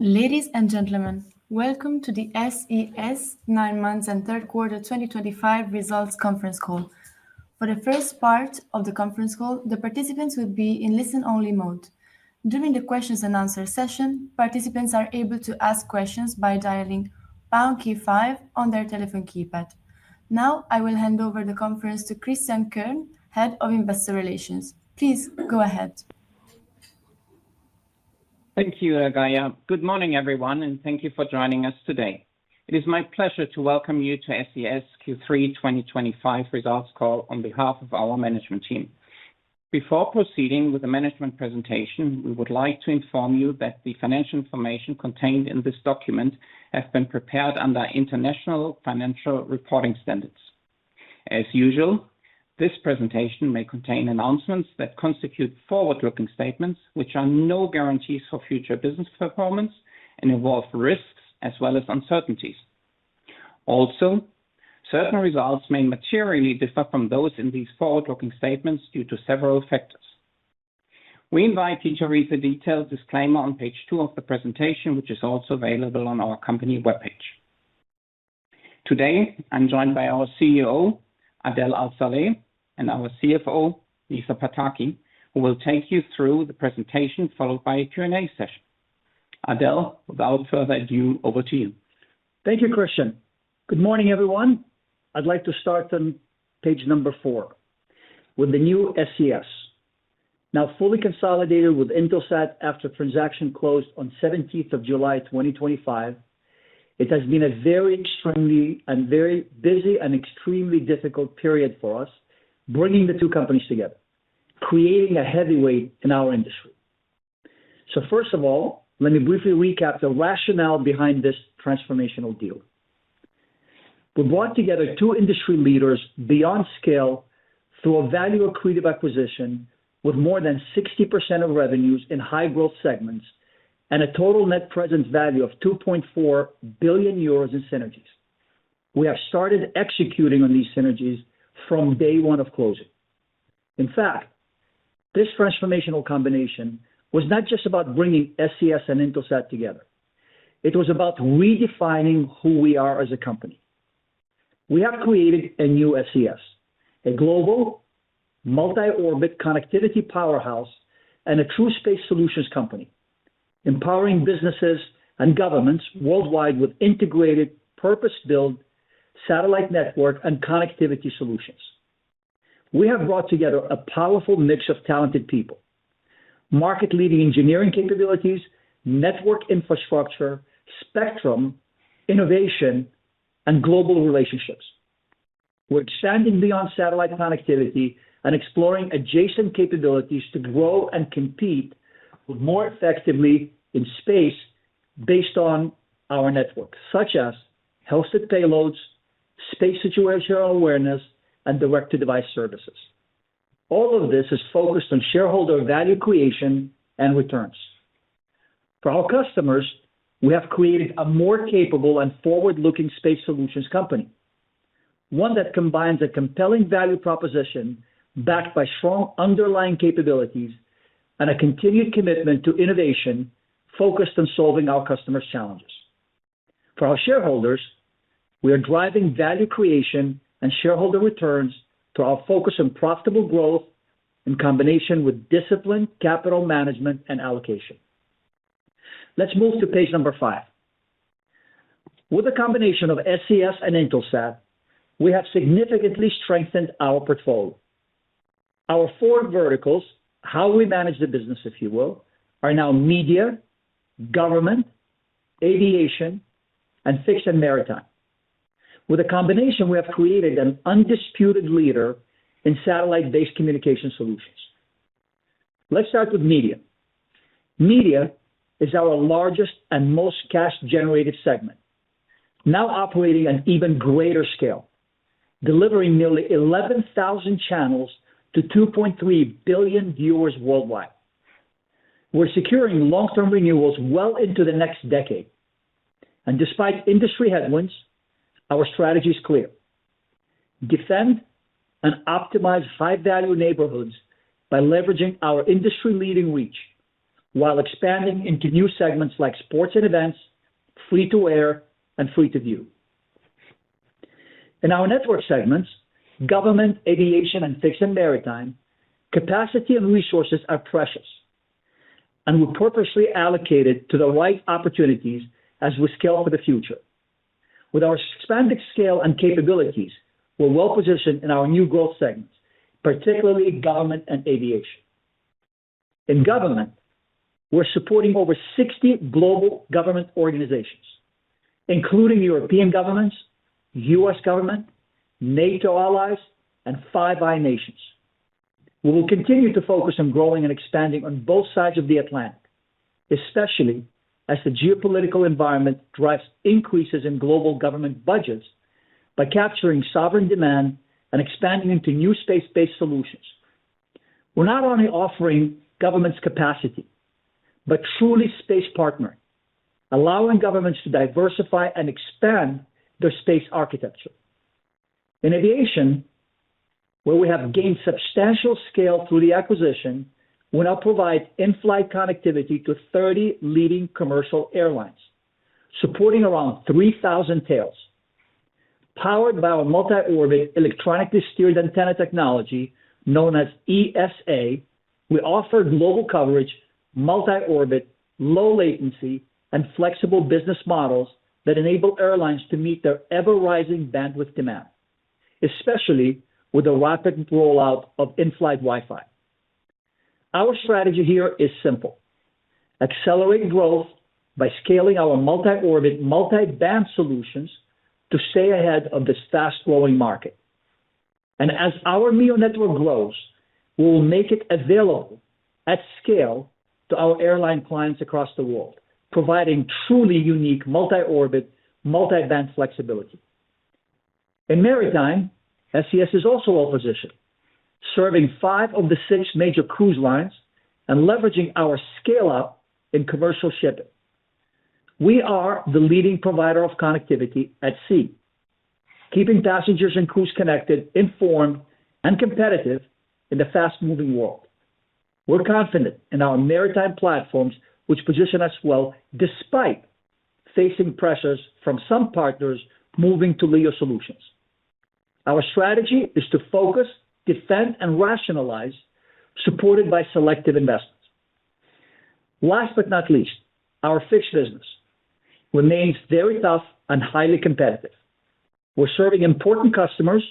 Ladies and gentlemen, welcome to the SES 9 Months and third quarter 2025 results conference call. For the first part of the conference call, the participants will be in listen-only mode. During the question-and-answer session, participants are able to ask questions by dialing pound five on their telephone keypad. Now, I will hand over the conference to Christian Kern, Head of Investor Relations. Please go ahead. Thank you, Gaia. Good morning, everyone, and thank you for joining us today. It is my pleasure to welcome you to SES Q3 2025 results call on behalf of our management team. Before proceeding with the management presentation, we would like to inform you that the financial information contained in this document has been prepared under International Financial Reporting Standards. As usual, this presentation may contain announcements that constitute forward-looking statements, which are no guarantees for future business performance and involve risks as well as uncertainties. Also, certain results may materially differ from those in these forward-looking statements due to several factors. We invite you to read the detailed disclaimer on page two of the presentation, which is also available on our company webpage. Today, I'm joined by our CEO, Adel Al-Saleh, and our CFO, Lisa Pataki, who will take you through the presentation followed by a Q&A session. Adel, without further ado, over to you. Thank you, Christian. Good morning, everyone. I'd like to start on page number four with the new SES, now fully consolidated with Intelsat after transaction closed on 17th of July 2025. It has been a very busy and extremely difficult period for us bringing the two companies together, creating a heavyweight in our industry. First of all, let me briefly recap the rationale behind this transformational deal. We brought together two industry leaders beyond scale through a value-accretive acquisition with more than 60% of revenues in high-growth segments and a total net present value of 2.4 billion euros in synergies. We have started executing on these synergies from day one of closing. In fact, this transformational combination was not just about bringing SES and Intelsat together. It was about redefining who we are as a company. We have created a new SES, a global. Multi-orbit connectivity powerhouse and a true space solutions company. mPOWERing businesses and governments worldwide with integrated purpose-built satellite network and connectivity solutions. We have brought together a powerful mix of talented people. Market-leading engineering capabilities, network infrastructure, spectrum innovation, and global relationships. We are expanding beyond satellite connectivity and exploring adjacent capabilities to grow and compete more effectively in space based on our network, such as health set payloads, space situational awareness, and direct-to-device services. All of this is focused on shareholder value creation and returns. For our customers, we have created a more capable and forward-looking space solutions company. One that combines a compelling value proposition backed by strong underlying capabilities and a continued commitment to innovation focused on solving our customers' challenges. For our shareholders, we are driving value creation and shareholder returns through our focus on profitable growth in combination with disciplined capital management and allocation. Let's move to page number five. With the combination of SES and Intelsat, we have significantly strengthened our portfolio. Our four verticals, how we manage the business, if you will, are now media, government, aviation, and fixed and maritime. With the combination, we have created an undisputed leader in satellite-based communication solutions. Let's start with media. Media is our largest and most cash-generated segment. Now operating on an even greater scale, delivering nearly 11,000 channels to 2.3 billion viewers worldwide. We're securing long-term renewals well into the next decade. Despite industry headwinds, our strategy is clear. Defend and optimize high-value neighborhoods by leveraging our industry-leading reach while expanding into new segments like sports and events, free-to-air, and free-to-view. In our network segments, government, aviation, and fixed and maritime, capacity and resources are precious. We purposely allocate it to the right opportunities as we scale for the future. With our expanded scale and capabilities, we're well-positioned in our new growth segments, particularly government and aviation. In government, we're supporting over 60 global government organizations, including European governments, U.S. government, NATO allies, and five other nations. We will continue to focus on growing and expanding on both sides of the Atlantic, especially as the geopolitical environment drives increases in global government budgets by capturing sovereign demand and expanding into new space-based solutions. We're not only offering governments capacity but truly space partnering, allowing governments to diversify and expand their space architecture. In aviation, where we have gained substantial scale through the acquisition, we now provide in-flight connectivity to 30 leading commercial airlines, supporting around 3,000 tails. Powered by our multi-orbit electronically steered antenna technology known as ESA, we offer global coverage, multi-orbit, low-latency, and flexible business models that enable airlines to meet their ever-rising bandwidth demand, especially with the rapid rollout of in-flight Wi-Fi. Our strategy here is simple: accelerate growth by scaling our multi-orbit, multi-band solutions to stay ahead of this fast-growing market. As our neo network grows, we will make it available at scale to our airline clients across the world, providing truly unique multi-orbit, multi-band flexibility. In maritime, SES is also well-positioned, serving five of the six major cruise lines and leveraging our scale-up in commercial shipping. We are the leading provider of connectivity at sea, keeping passengers and crews connected, informed, and competitive in the fast-moving world. We're confident in our maritime platforms, which position us well despite facing pressures from some partners moving to LEO solutions. Our strategy is to focus, defend, and rationalize, supported by selective investments. Last but not least, our fixed business remains very tough and highly competitive. We're serving important customers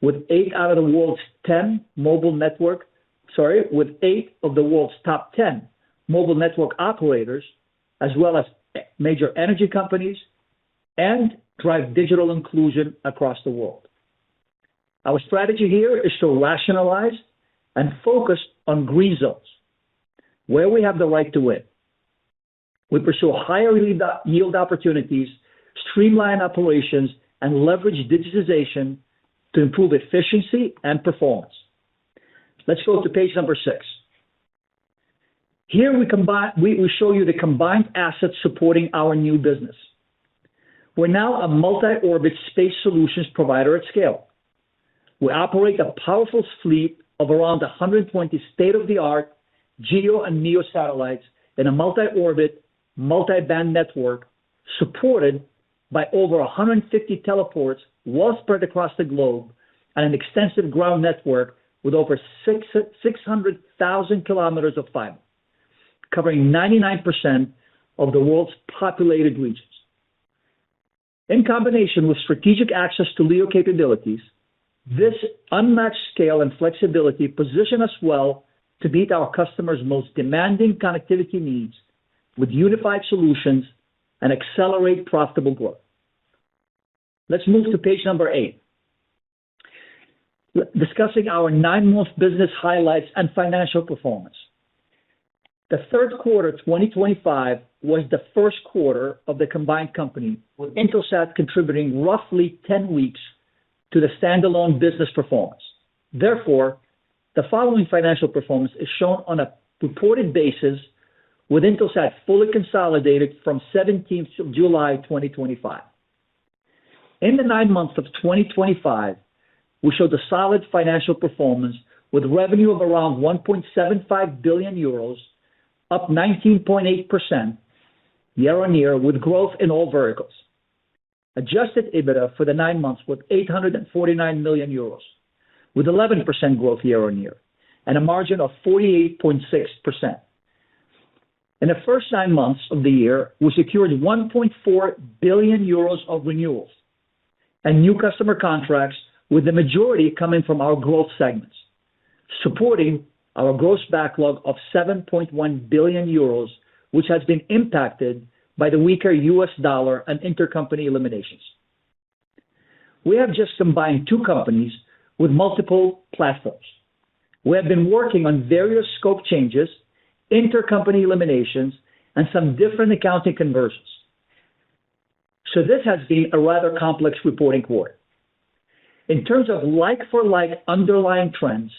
with eight of the world's top 10 mobile network operators, as well as major energy companies, and drive digital inclusion across the world. Our strategy here is to rationalize and focus on green zones, where we have the right to win. We pursue higher yield opportunities, streamline operations, and leverage digitization to improve efficiency and performance. Let's go to page number six. Here we show you the combined assets supporting our new business. We're now a multi-orbit space solutions provider at scale. We operate a powerful fleet of around 120 state-of-the-art GEO and MEO satellites in a multi-orbit, multi-band network supported by over 150 teleports well spread across the globe and an extensive ground network with over 600,000 km of fiber, covering 99% of the world's populated regions. In combination with strategic access to LEO capabilities, this unmatched scale and flexibility position us well to meet our customers' most demanding connectivity needs with unified solutions and accelerate profitable growth. Let's move to page number eight. Discussing our nine-month business highlights and financial performance. The third quarter 2025 was the first quarter of the combined company, with Intelsat contributing roughly 10 weeks to the standalone business performance. Therefore, the following financial performance is shown on a reported basis with Intelsat fully consolidated from 17th of July 2025. In the nine months of 2025, we showed a solid financial performance with revenue of around 1.75 billion euros, up 19.8% year-on-year, with growth in all verticals. Adjusted EBITDA for the nine months was 849 million euros, with 11% growth year-on-year and a margin of 48.6%. In the first nine months of the year, we secured 1.4 billion euros of renewals and new customer contracts, with the majority coming from our growth segments, supporting our gross backlog of 7.1 billion euros, which has been impacted by the weaker U.S. dollar and intercompany eliminations. We have just combined two companies with multiple platforms. We have been working on various scope changes, intercompany eliminations, and some different accounting conversions. This has been a rather complex reporting quarter. In terms of like-for-like underlying trends,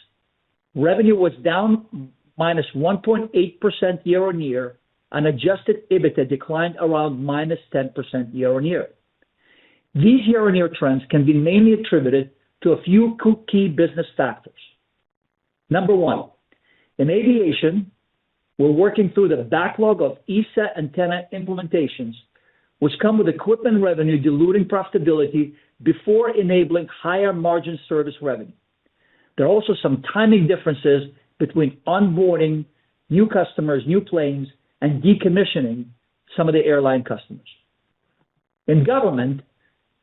revenue was down -1.8% year-on-year, and Adjusted EBITDA declined around -10% year-on-year. These year-on-year trends can be mainly attributed to a few key business factors. Number one, in aviation, we're working through the backlog of ESA antenna implementations, which come with equipment revenue diluting profitability before enabling higher margin service revenue. There are also some timing differences between onboarding new customers, new planes, and decommissioning some of the airline customers. In government,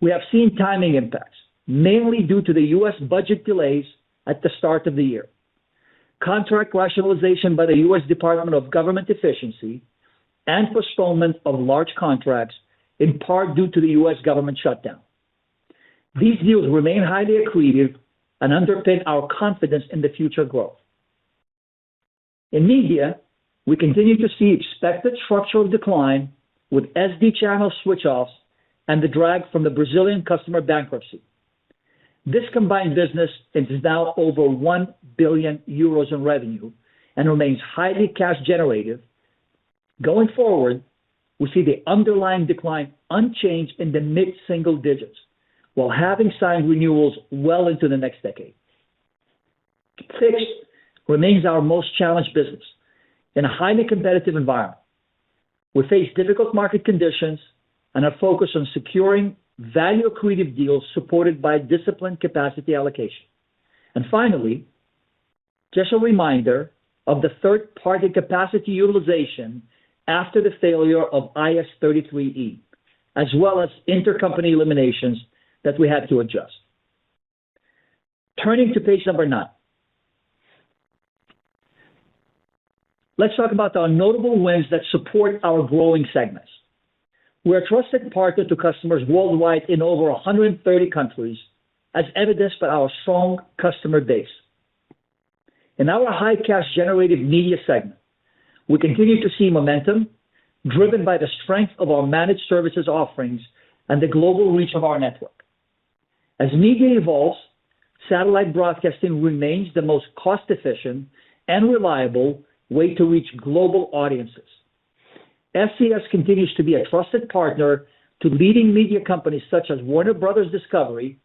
we have seen timing impacts, mainly due to the U.S. budget delays at the start of the year. Contract rationalization by the U.S. Department of Government Efficiency and postponement of large contracts, in part due to the U.S. government shutdown. These deals remain highly accretive and underpin our confidence in the future growth. In media, we continue to see expected structural decline with SD channel switch-offs and the drag from the Brazilian customer bankruptcy. This combined business is now over 1 billion euros in revenue and remains highly cash-generative. Going forward, we see the underlying decline unchanged in the mid-single digits while having signed renewals well into the next decade. Fixed remains our most challenged business in a highly competitive environment. We face difficult market conditions and are focused on securing value-accretive deals supported by disciplined capacity allocation. Finally, just a reminder of the third-party capacity utilization after the failure of IS-33e, as well as intercompany eliminations that we had to adjust. Turning to page number nine. Let's talk about our notable wins that support our growing segments. We're a trusted partner to customers worldwide in over 130 countries, as evidenced by our strong customer base. In our high-cash-generative media segment, we continue to see momentum driven by the strength of our managed services offerings and the global reach of our network. As media evolves, satellite broadcasting remains the most cost-efficient and reliable way to reach global audiences. SES continues to be a trusted partner to leading media companies such as Warner Bros. Discovery,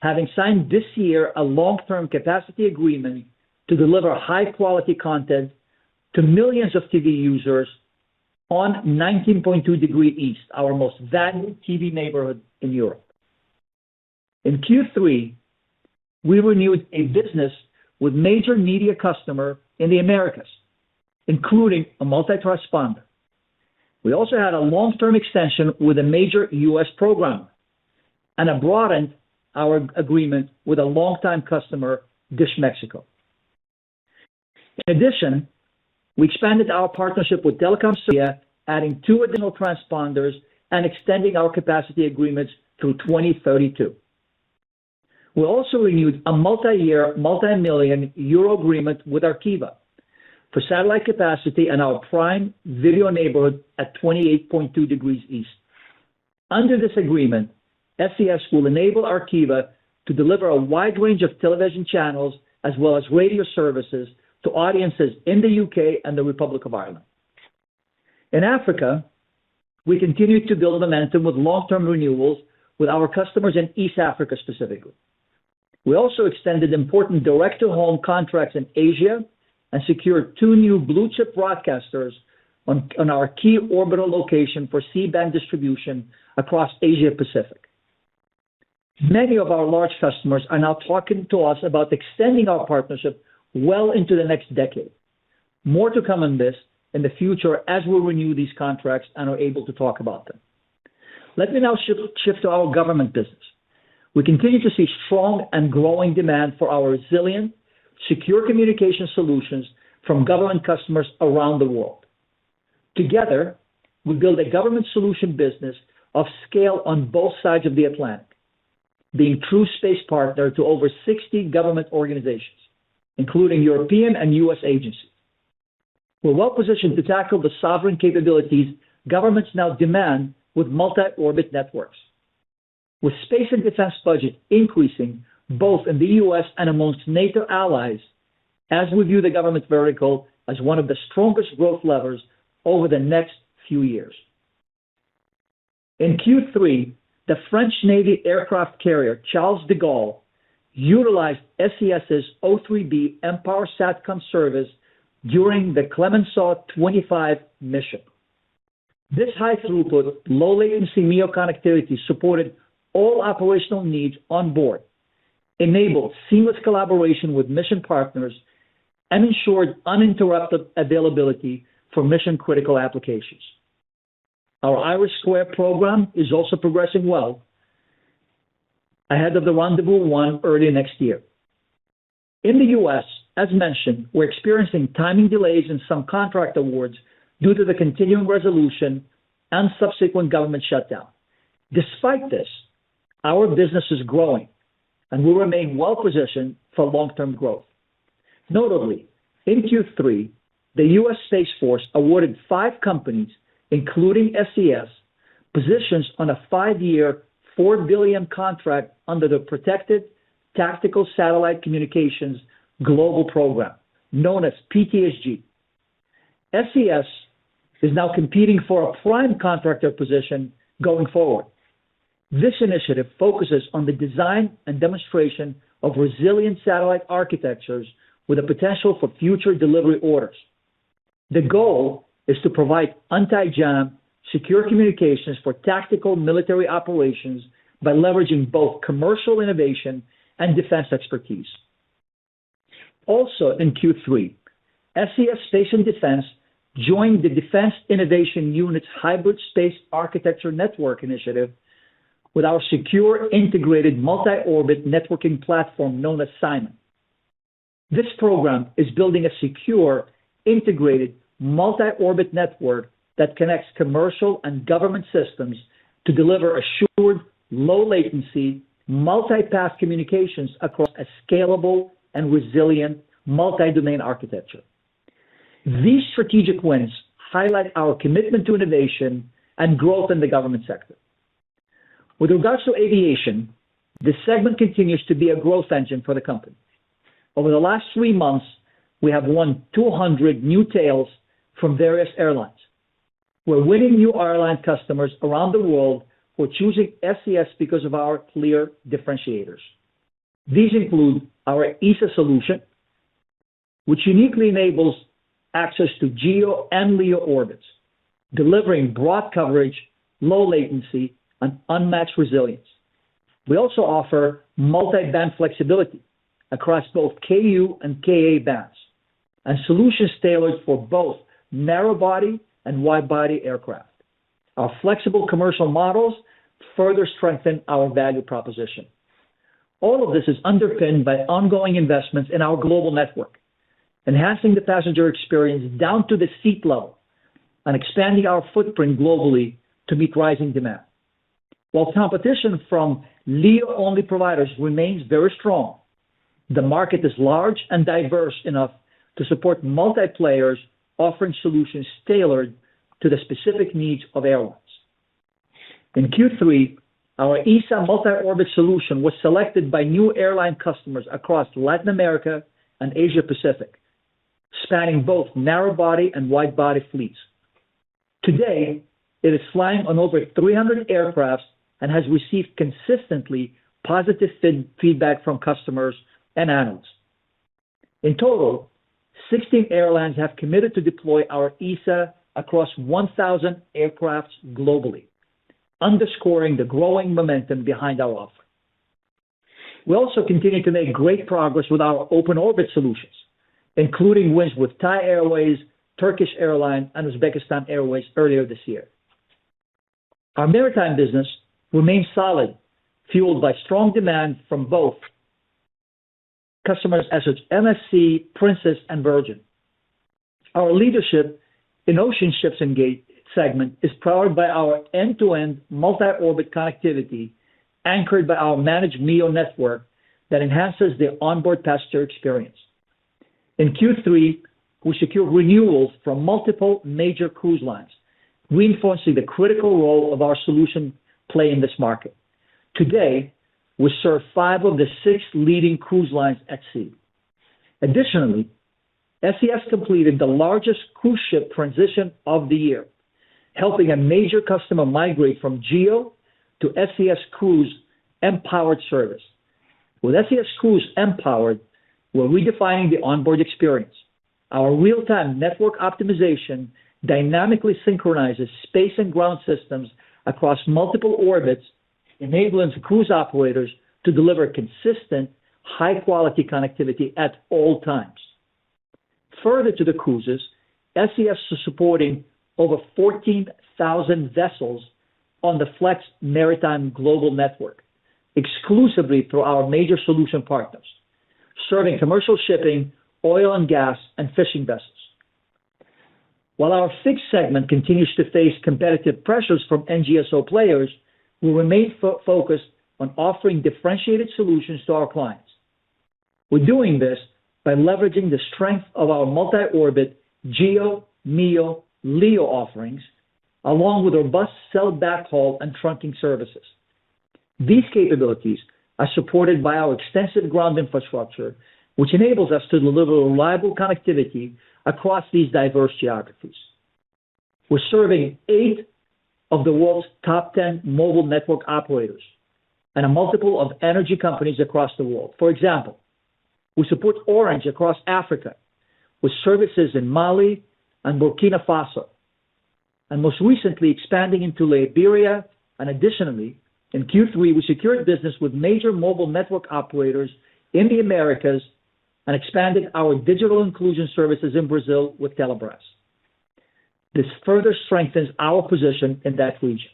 having signed this year a long-term capacity agreement to deliver high-quality content to millions of TV users on 19.2 degrees east, our most valued TV neighborhood in Europe. In Q3, we renewed a business with major media customers in the Americas, including a multi-transponder. We also had a long-term extension with a major U.S. program and broadened our agreement with a long-time customer, Dish Mexico. In addition, we expanded our partnership with telecom media, adding two additional transponders and extending our capacity agreements through 2032. We also renewed a multi-year, multi-million EUR agreement with Arqiva for satellite capacity and our prime video neighborhood at 28.2 degrees east. Under this agreement, SES will enable Arqiva to deliver a wide range of television channels as well as radio services to audiences in the U.K. and the Republic of Ireland. In Africa, we continue to build momentum with long-term renewals with our customers in East Africa specifically. We also extended important direct-to-home contracts in Asia and secured two new blue chip broadcasters on our key orbital location for C-band distribution across Asia-Pacific. Many of our large customers are now talking to us about extending our partnership well into the next decade. More to come on this in the future as we renew these contracts and are able to talk about them. Let me now shift to our government business. We continue to see strong and growing demand for our resilient, secure communication solutions from government customers around the world. Together, we build a government solution business of scale on both sides of the Atlantic, being true space partners to over 60 government organizations, including European and U.S. agencies. We're well-positioned to tackle the sovereign capabilities governments now demand with multi-orbit networks. With space and defense budgets increasing both in the U.S. and amongst NATO allies, we view the government vertical as one of the strongest growth levers over the next few years. In Q3, the French Navy aircraft carrier Charles de Gaulle utilized SES's O3b mPOWER service during the Clemenceau 25 mission. This high-throughput, low-latency MEO connectivity supported all operational needs on board, enabled seamless collaboration with mission partners, and ensured uninterrupted availability for mission-critical applications. Our Irish Square program is also progressing well, ahead of the rendezvous one early next year. In the U.S., as mentioned, we're experiencing timing delays in some contract awards due to the continuing resolution and subsequent government shutdown. Despite this, our business is growing, and we remain well-positioned for long-term growth. Notably, in Q3, the U.S. Space Force awarded five companies, including SES, positions on a five-year, $4 billion contract under the Protected Tactical Satellite Communications Global Program, known as PTSG. SES is now competing for a prime contractor position going forward. This initiative focuses on the design and demonstration of resilient satellite architectures with the potential for future delivery orders. The goal is to provide anti-jam, secure communications for tactical military operations by leveraging both commercial innovation and defense expertise. Also, in Q3, SES Space & Defense joined the Defense Innovation Unit's Hybrid Space Architecture Network initiative with our secure integrated multi-orbit networking platform known as SIMON. This program is building a secure integrated multi-orbit network that connects commercial and government systems to deliver assured, low-latency, multi-path communications across a scalable and resilient multi-domain architecture. These strategic wins highlight our commitment to innovation and growth in the government sector. With regards to aviation, the segment continues to be a growth engine for the company. Over the last three months, we have won 200 new tails from various airlines. We're winning new airline customers around the world for choosing SES because of our clear differentiators. These include our ESA solution, which uniquely enables access to GEO and LEO orbits, delivering broad coverage, low latency, and unmatched resilience. We also offer multi-band flexibility across both Ku and Ka bands and solutions tailored for both narrow-body and wide-body aircraft. Our flexible commercial models further strengthen our value proposition. All of this is underpinned by ongoing investments in our global network, enhancing the passenger experience down to the seat level and expanding our footprint globally to meet rising demand. While competition from LEO-only providers remains very strong, the market is large and diverse enough to support multi-players offering solutions tailored to the specific needs of airlines. In Q3, our ESA multi-orbit solution was selected by new airline customers across Latin America and Asia-Pacific, spanning both narrow-body and wide-body fleets. Today, it is flying on over 300 aircraft and has received consistently positive feedback from customers and analysts. In total, 16 airlines have committed to deploy our ESA across 1,000 aircraft globally, underscoring the growing momentum behind our offer. We also continue to make great progress with our open-orbit solutions, including wins with Thai Airways, Turkish Airlines, and Uzbekistan Airways earlier this year. Our maritime business remains solid, fueled by strong demand from both customers such as MSC, Princess, and Virgin. Our leadership in ocean ships and gate segment is powered by our end-to-end multi-orbit connectivity anchored by our managed MEO network that enhances the onboard passenger experience. In Q3, we secured renewals from multiple major cruise lines, reinforcing the critical role our solution plays in this market. Today, we serve five of the six leading cruise lines at sea. Additionally, SES completed the largest cruise ship transition of the year, helping a major customer migrate from GEO to SES Cruise mPOWERED service. With SES Cruise mPOWERED, we're redefining the onboard experience. Our real-time network optimization dynamically synchronizes space and ground systems across multiple orbits, enabling cruise operators to deliver consistent, high-quality connectivity at allx. Further to the cruises, SES is supporting over 14,000 vessels on the FlexMaritime Global Network exclusively through our major solution partners, serving commercial shipping, oil and gas, and fishing vessels. While our fixed segment continues to face competitive pressures from NGSO players, we remain focused on offering differentiated solutions to our clients. We're doing this by leveraging the strength of our multi-orbit GEO, MEO, LEO offerings, along with robust sell-backhaul and trunking services. These capabilities are supported by our extensive ground infrastructure, which enables us to deliver reliable connectivity across these diverse geographies. We're serving eight of the world's top 10 mobile network operators and a multiple of energy companies across the world. For example, we support Orange across Africa with services in Mali and Burkina Faso, and most recently expanding into Liberia. Additionally, in Q3, we secured business with major mobile network operators in the Americas and expanded our digital inclusion services in Brazil with Telebras. This further strengthens our position in that region.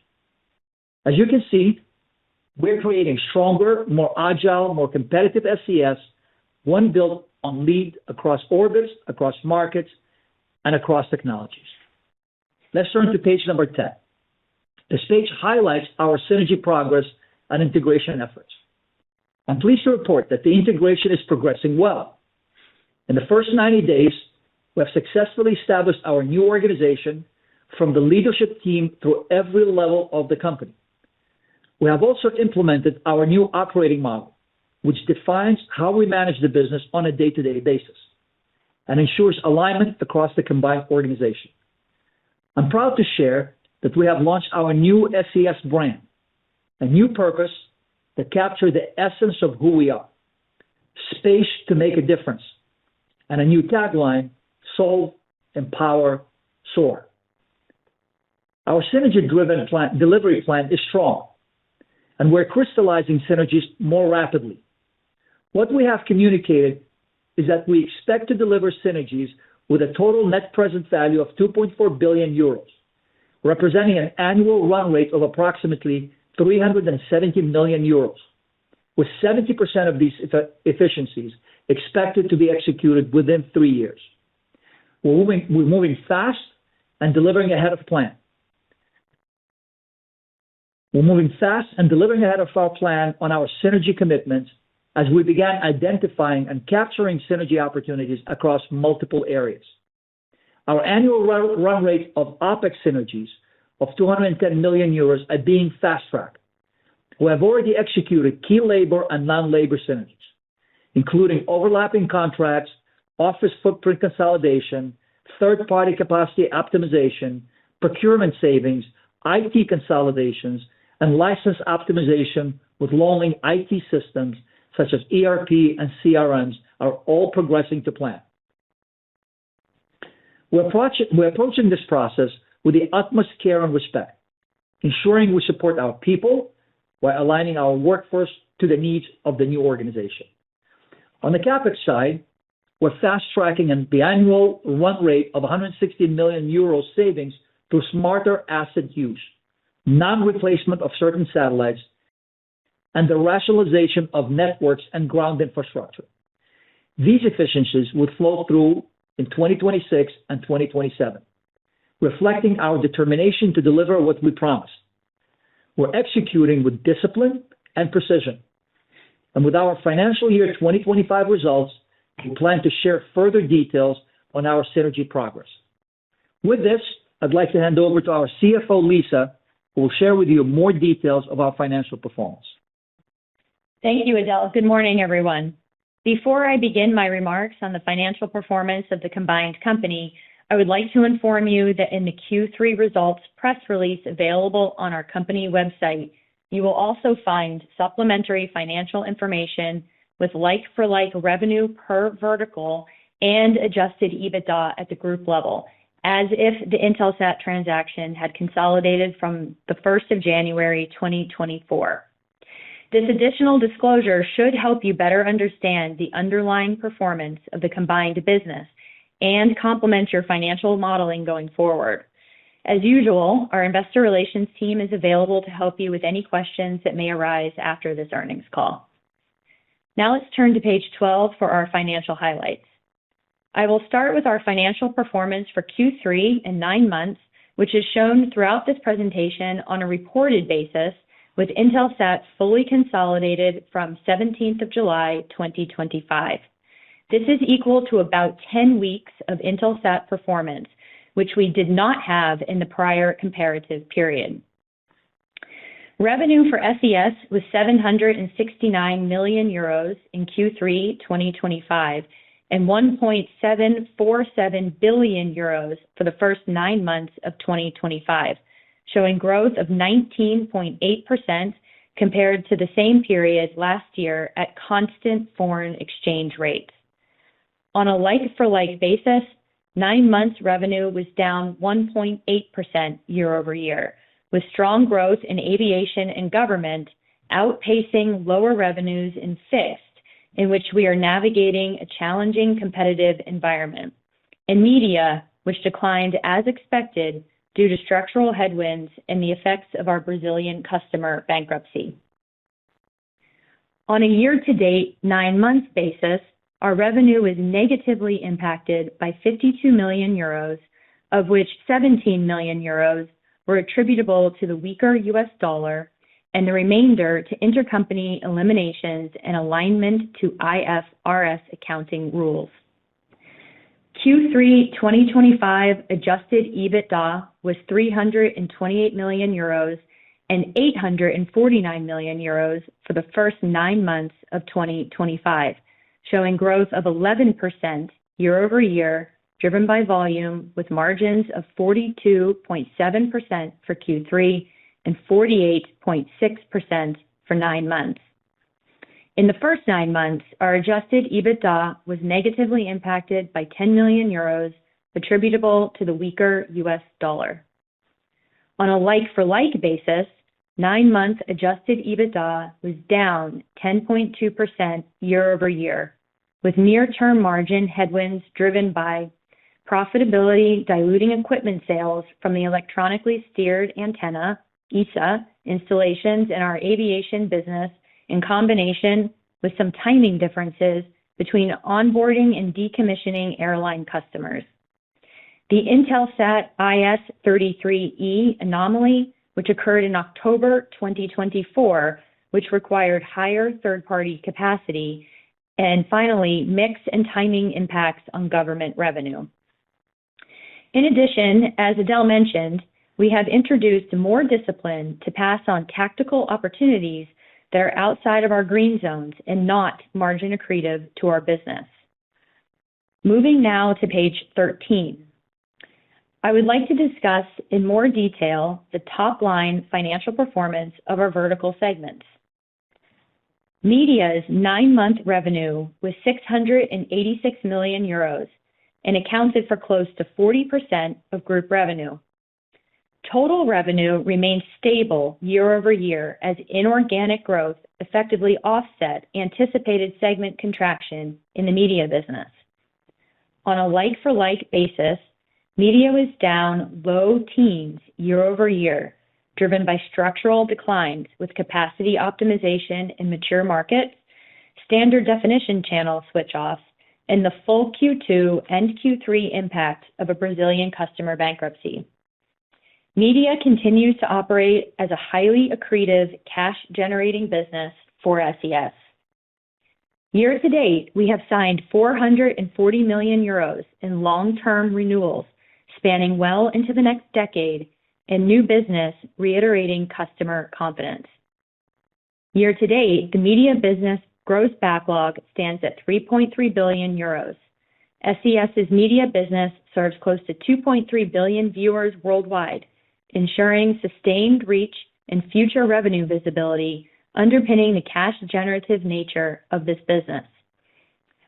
As you can see, we're creating a stronger, more agile, more competitive SES, one built on lead across orbits, across markets, and across technologies. Let's turn to page number 10. This page highlights our synergy progress and integration efforts. I'm pleased to report that the integration is progressing well. In the first 90 days, we have successfully established our new organization from the leadership team through every level of the company. We have also implemented our new operating model, which defines how we manage the business on a day-to-day basis and ensures alignment across the combined organization. I'm proud to share that we have launched our new SES brand, a new purpose that captures the essence of who we are, space to make a difference, and a new tagline, Solve. mPOWER. Soar. Our synergy-driven delivery plan is strong. We're crystallizing synergies more rapidly. What we have communicated is that we expect to deliver synergies with a total net present value of 2.4 billion euros, representing an annual run rate of approximately 370 million euros, with 70% of these efficiencies expected to be executed within three years. We're moving fast and delivering ahead of plan. We're moving fast and delivering ahead of our plan on our synergy commitments as we began identifying and capturing synergy opportunities across multiple areas. Our annual run rate of OpEx synergies of 210 million euros is being fast-tracked. We have already executed key labor and non-labor synergies, including overlapping contracts, office footprint consolidation, third-party capacity optimization, procurement savings, IT consolidations, and license optimization with long-link IT systems such as ERP and CRMs are all progressing to plan. We are approaching this process with the utmost care and respect, ensuring we support our people while aligning our workforce to the needs of the new organization. On the CapEx side, we are fast-tracking the annual run rate of 160 million euro savings through smarter asset use, non-replacement of certain satellites, and the rationalization of networks and ground infrastructure. These efficiencies would flow through in 2026 and 2027, reflecting our determination to deliver what we promised. We are executing with discipline and precision. With our financial year 2025 results, we plan to share further details on our synergy progress. With this, I'd like to hand over to our CFO, Lisa, who will share with you more details of our financial performance. Thank you, Adel. Good morning, everyone. Before I begin my remarks on the financial performance of the combined company, I would like to inform you that in the Q3 results press release available on our company website, you will also find supplementary financial information with like-for-like revenue per vertical and Adjusted EBITDA at the group level, as if the Intelsat transaction had consolidated from the 1st of January, 2024. This additional disclosure should help you better understand the underlying performance of the combined business and complement your financial modeling going forward. As usual, our investor relations team is available to help you with any questions that may arise after this earnings call. Now let's turn to page 12 for our financial highlights. I will start with our financial performance for Q3 in nine months, which is shown throughout this presentation on a reported basis, with Intelsat fully consolidated from 17th of July, 2025. This is equal to about 10 weeks of Intelsat performance, which we did not have in the prior comparative period. Revenue for SES was 769 million euros in Q3, 2025, and 1.747 billion euros for the first nine months of 2025, showing growth of 19.8% compared to the same period last year at constant foreign exchange rates. On a like-for-like basis, nine months' revenue was down 1.8% year-over-year, with strong growth in aviation and government outpacing lower revenues in FIST, in which we are navigating a challenging competitive environment, and media, which declined as expected due to structural headwinds and the effects of our Brazilian customer bankruptcy. On a year-to-date, nine-month basis, our revenue was negatively impacted by 52 million euros, of which 17 million euros were attributable to the weaker US dollar and the remainder to intercompany eliminations and alignment to IFRS accounting rules. Q3 2025 Adjusted EBITDA was 328 million euros and 849 million euros for the first nine months of 2025, showing growth of 11% year-over-year, driven by volume, with margins of 42.7% for Q3 and 48.6% for nine months. In the first nine months, our Adjusted EBITDA was negatively impacted by 10 million euros attributable to the weaker US dollar. On a like-for-like basis, nine-month Adjusted EBITDA was down 10.2% year-over-year, with near-term margin headwinds driven by profitability diluting equipment sales from the electronically steered antenna, ESA installations in our aviation business, in combination with some timing differences between onboarding and decommissioning airline customers. The Intelsat IS-33e anomaly, which occurred in October 2024, required higher third-party capacity, and finally, mix and timing impacts on government revenue. In addition, as Adel mentioned, we have introduced more discipline to pass on tactical opportunities that are outside of our green zones and not margin accretive to our business. Moving now to page 13. I would like to discuss in more detail the top-line financial performance of our vertical segments. Media's nine-month revenue was 686 million euros and accounted for close to 40% of group revenue. Total revenue remained stable year-over-year as inorganic growth effectively offset anticipated segment contraction in the media business. On a like-for-like basis, media was down low teens year-over-year, driven by structural declines with capacity optimization in mature markets, standard definition channel switch-offs, and the full Q2 and Q3 impact of a Brazilian customer bankruptcy. Media continues to operate as a highly accretive cash-generating business for SES. Year-to-date, we have signed 440 million euros in long-term renewals spanning well into the next decade and new business reiterating customer confidence. Year-to-date, the media business growth backlog stands at 3.3 billion euros. SES's media business serves close to 2.3 billion viewers worldwide, ensuring sustained reach and future revenue visibility underpinning the cash-generative nature of this business.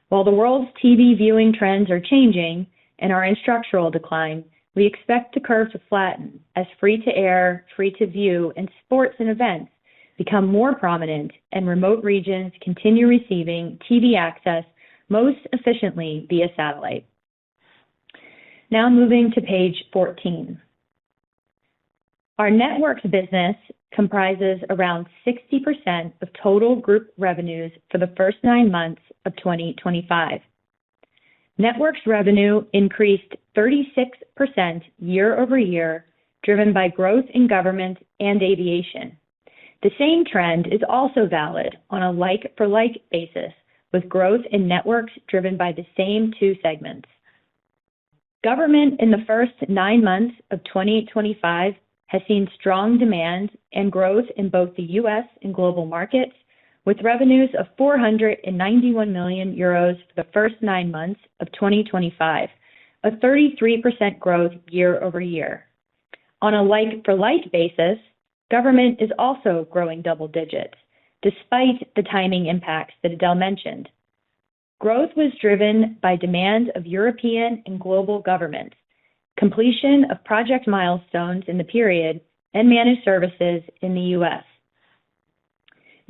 While the world's TV viewing trends are changing and our instructional decline, we expect the curve to flatten as free-to-air, free-to-view, and sports and events become more prominent and remote regions continue receiving TV access most efficiently via satellite. Now moving to page 14. Our network business comprises around 60% of total group revenues for the first nine months of 2025. Network's revenue increased 36% year-over-year, driven by growth in government and aviation. The same trend is also valid on a like-for-like basis with growth in networks driven by the same two segments. Government in the first nine months of 2025 has seen strong demand and growth in both the U.S. and global markets, with revenues of 491 million euros for the first nine months of 2025, a 33% growth year-over-year. On a like-for-like basis, government is also growing double digits despite the timing impacts that Adel mentioned. Growth was driven by demand of European and global governments, completion of project milestones in the period, and managed services in the U.S.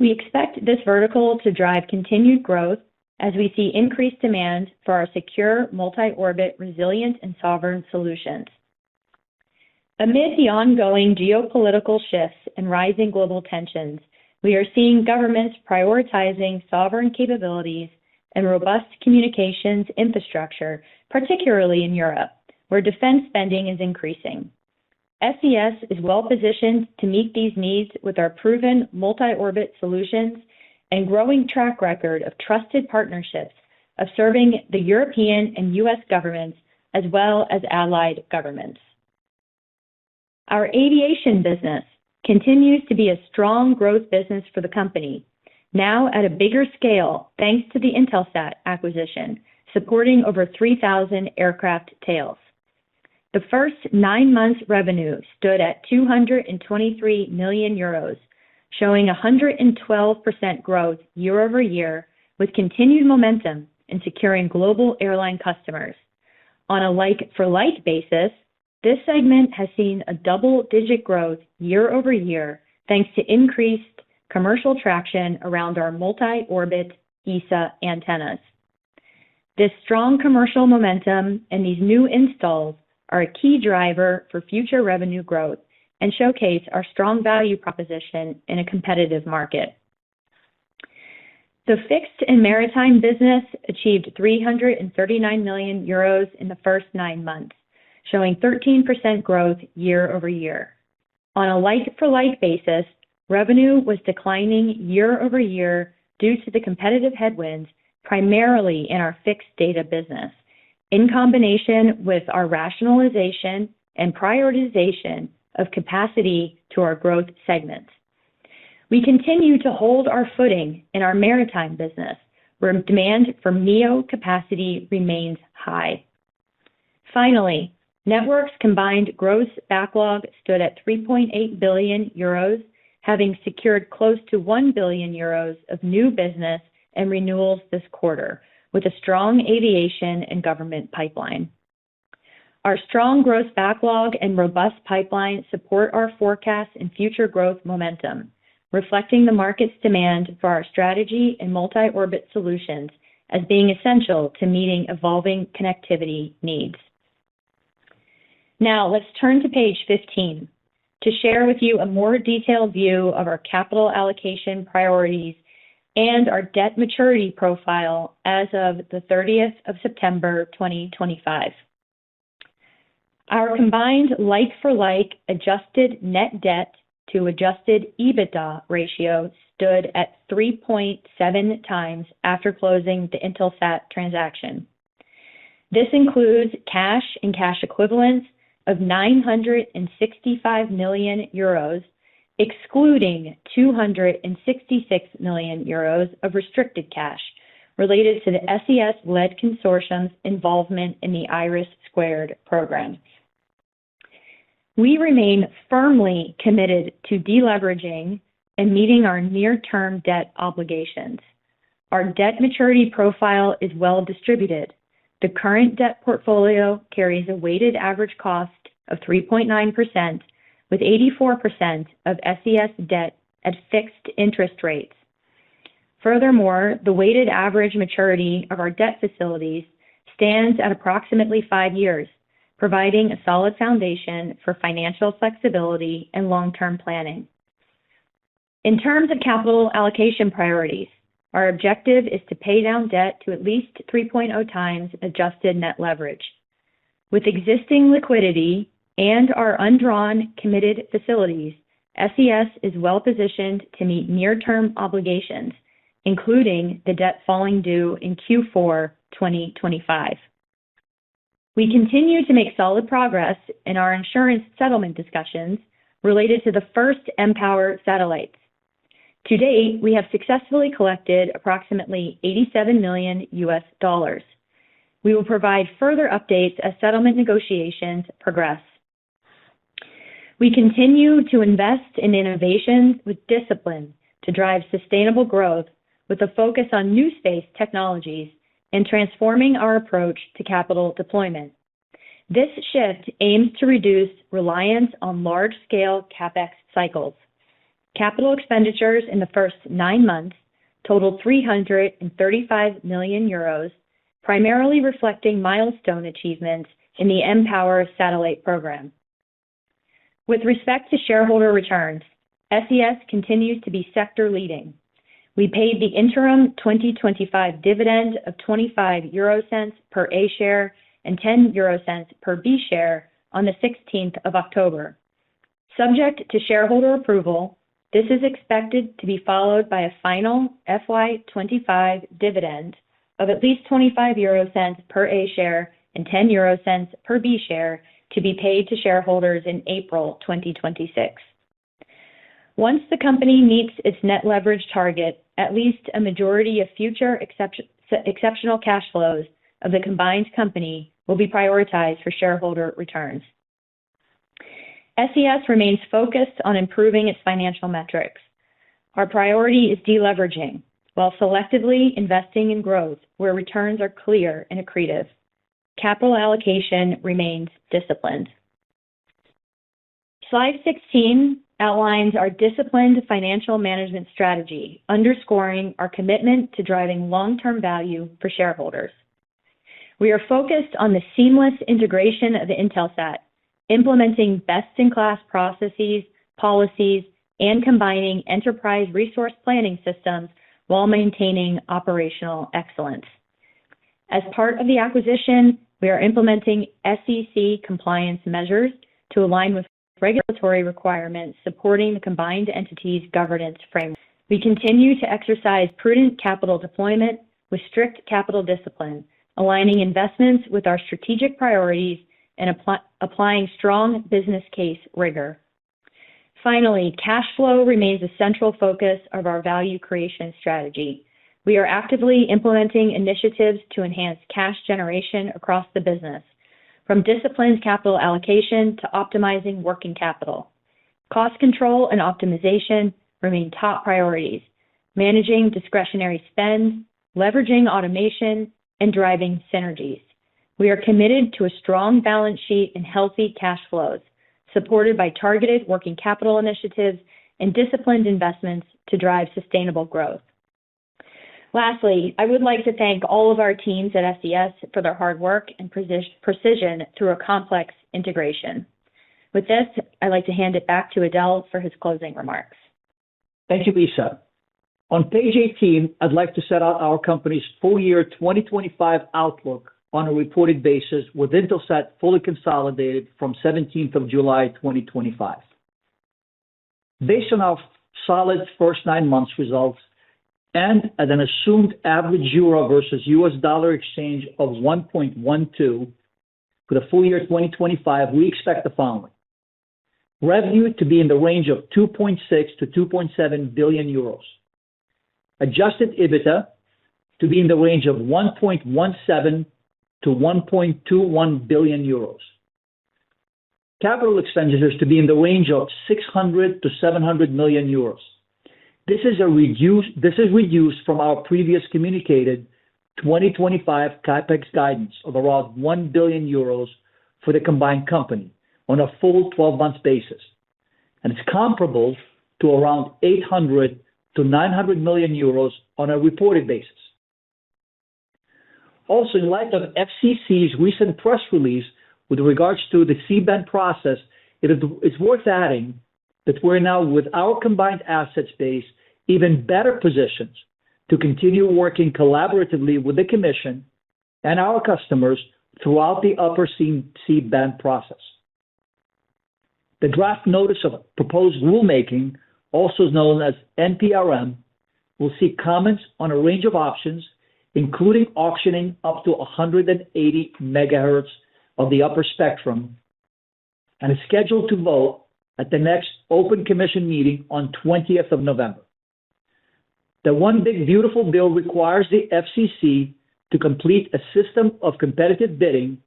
We expect this vertical to drive continued growth as we see increased demand for our secure multi-orbit resilient and sovereign solutions. Amid the ongoing geopolitical shifts and rising global tensions, we are seeing governments prioritizing sovereign capabilities and robust communications infrastructure, particularly in Europe, where defense spending is increasing. SES is well-positioned to meet these needs with our proven multi-orbit solutions and growing track record of trusted partnerships of serving the European and U.S. governments as well as allied governments. Our aviation business continues to be a strong growth business for the company, now at a bigger scale thanks to the Intelsat acquisition, supporting over 3,000 aircraft tails. The first nine months' revenue stood at 223 million euros, showing 112% growth year-over-year with continued momentum in securing global airline customers. On a like-for-like basis, this segment has seen a double-digit growth year-over-year thanks to increased commercial traction around our multi-orbit ESA antennas. This strong commercial momentum and these new installs are a key driver for future revenue growth and showcase our strong value proposition in a competitive market. The fixed and maritime business achieved 339 million euros in the first nine months, showing 13% growth year-over-year. On a like-for-like basis, revenue was declining year-over-year due to the competitive headwinds primarily in our fixed data business. In combination with our rationalization and prioritization of capacity to our growth segments, we continue to hold our footing in our maritime business where demand for MEO capacity remains high. Finally, network's combined growth backlog stood at 3.8 billion euros, having secured close to 1 billion euros of new business and renewals this quarter with a strong aviation and government pipeline. Our strong growth backlog and robust pipeline support our forecasts and future growth momentum, reflecting the market's demand for our strategy and multi-orbit solutions as being essential to meeting evolving connectivity needs. Now let's turn to page 15 to share with you a more detailed view of our capital allocation priorities and our debt maturity profile as of the 30th of September, 2025. Our combined like-for-like adjusted net debt to Adjusted EBITDA ratio stood at 3.7x after closing the Intelsat transaction. This includes cash and cash equivalents of 965 million euros, excluding 266 million euros of restricted cash related to the SES-led consortium's involvement in the IRIS² program. We remain firmly committed to deleveraging and meeting our near-term debt obligations. Our debt maturity profile is well-distributed. The current debt portfolio carries a weighted average cost of 3.9%, with 84% of SES debt at fixed interest rates. Furthermore, the weighted average maturity of our debt facilities stands at approximately five years, providing a solid foundation for financial flexibility and long-term planning. In terms of capital allocation priorities, our objective is to pay down debt to at least 3.0x adjusted net leverage. With existing liquidity and our undrawn committed facilities, SES is well-positioned to meet near-term obligations, including the debt falling due in Q4 2025. We continue to make solid progress in our insurance settlement discussions related to the first mPOWER satellites. To date, we have successfully collected approximately $87 million. We will provide further updates as settlement negotiations progress. We continue to invest in innovation with discipline to drive sustainable growth with a focus on new space technologies and transforming our approach to capital deployment. This shift aims to reduce reliance on large-scale CapEx cycles. Capital expenditures in the first nine months totaled 335 million euros, primarily reflecting milestone achievements in the mPOWER satellite program. With respect to shareholder returns, SES continues to be sector leading. We paid the interim 2025 dividend of 0.25 per A-share and 0.10 per B-share on the 16th of October. Subject to shareholder approval, this is expected to be followed by a final FY 2025 dividend of at least 0.25 per A-share and 0.10 per B-share to be paid to shareholders in April 2026. Once the company meets its net leverage target, at least a majority of future exceptional cash flows of the combined company will be prioritized for shareholder returns. SES remains focused on improving its financial metrics. Our priority is deleveraging while selectively investing in growth where returns are clear and accretive. Capital allocation remains disciplined. Slide 16 outlines our disciplined financial management strategy, underscoring our commitment to driving long-term value for shareholders. We are focused on the seamless integration of Intelsat, implementing best-in-class processes, policies, and combining enterprise resource planning systems while maintaining operational excellence. As part of the acquisition, we are implementing SEC compliance measures to align with regulatory requirements supporting the combined entity's governance framework. We continue to exercise prudent capital deployment with strict capital discipline, aligning investments with our strategic priorities and applying strong business case rigor. Finally, cash flow remains a central focus of our value creation strategy. We are actively implementing initiatives to enhance cash generation across the business, from disciplined capital allocation to optimizing working capital. Cost control and optimization remain top priorities, managing discretionary spend, leveraging automation, and driving synergies. We are committed to a strong balance sheet and healthy cash flows supported by targeted working capital initiatives and disciplined investments to drive sustainable growth. Lastly, I would like to thank all of our teams at SES for their hard work and precision through a complex integration. With this, I'd like to hand it back to Adel for his closing remarks. Thank you, Lisa. On page 18, I'd like to set out our company's full year 2025 outlook on a reported basis with Intelsat fully consolidated from 17th of July 2025. Based on our solid first nine months results and an assumed average euro versus US dollar exchange of 1.12. For the full year 2025, we expect the following. Revenue to be in the range of 2.6 billion-2.7 billion euros. Adjusted EBITDA to be in the range of 1.17 billion-1.21 billion euros. Capital expenditures to be in the range of 600 million-700 million euros. This is reduced from our previously communicated 2025 CapEx guidance of around 1 billion euros for the combined company on a full 12-month basis, and it's comparable to around 800-900 million euros on a reported basis. Also, in light of the FCC's recent press release with regards to the C-band process, it's worth adding that we're now, with our combined assets base, in even better positions to continue working collaboratively with the Commission and our customers throughout the upper C-band process. The draft notice of proposed rulemaking, also known as NPRM, will see comments on a range of options, including auctioning up to 180 MHz of the upper spectrum. It is scheduled to vote at the next open commission meeting on 20th of November. The One Big Beautiful Bill requires the FCC to complete a system of competitive bidding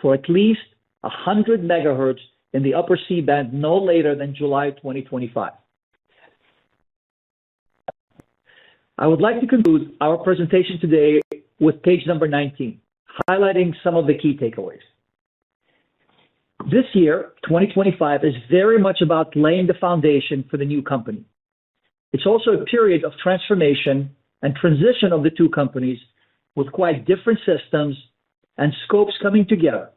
for at least 100 MHz in the upper C-band no later than July 2025. I would like to conclude our presentation today with page number 19, highlighting some of the key takeaways. This year, 2025, is very much about laying the foundation for the new company. It is also a period of transformation and transition of the two companies with quite different systems and scopes coming together.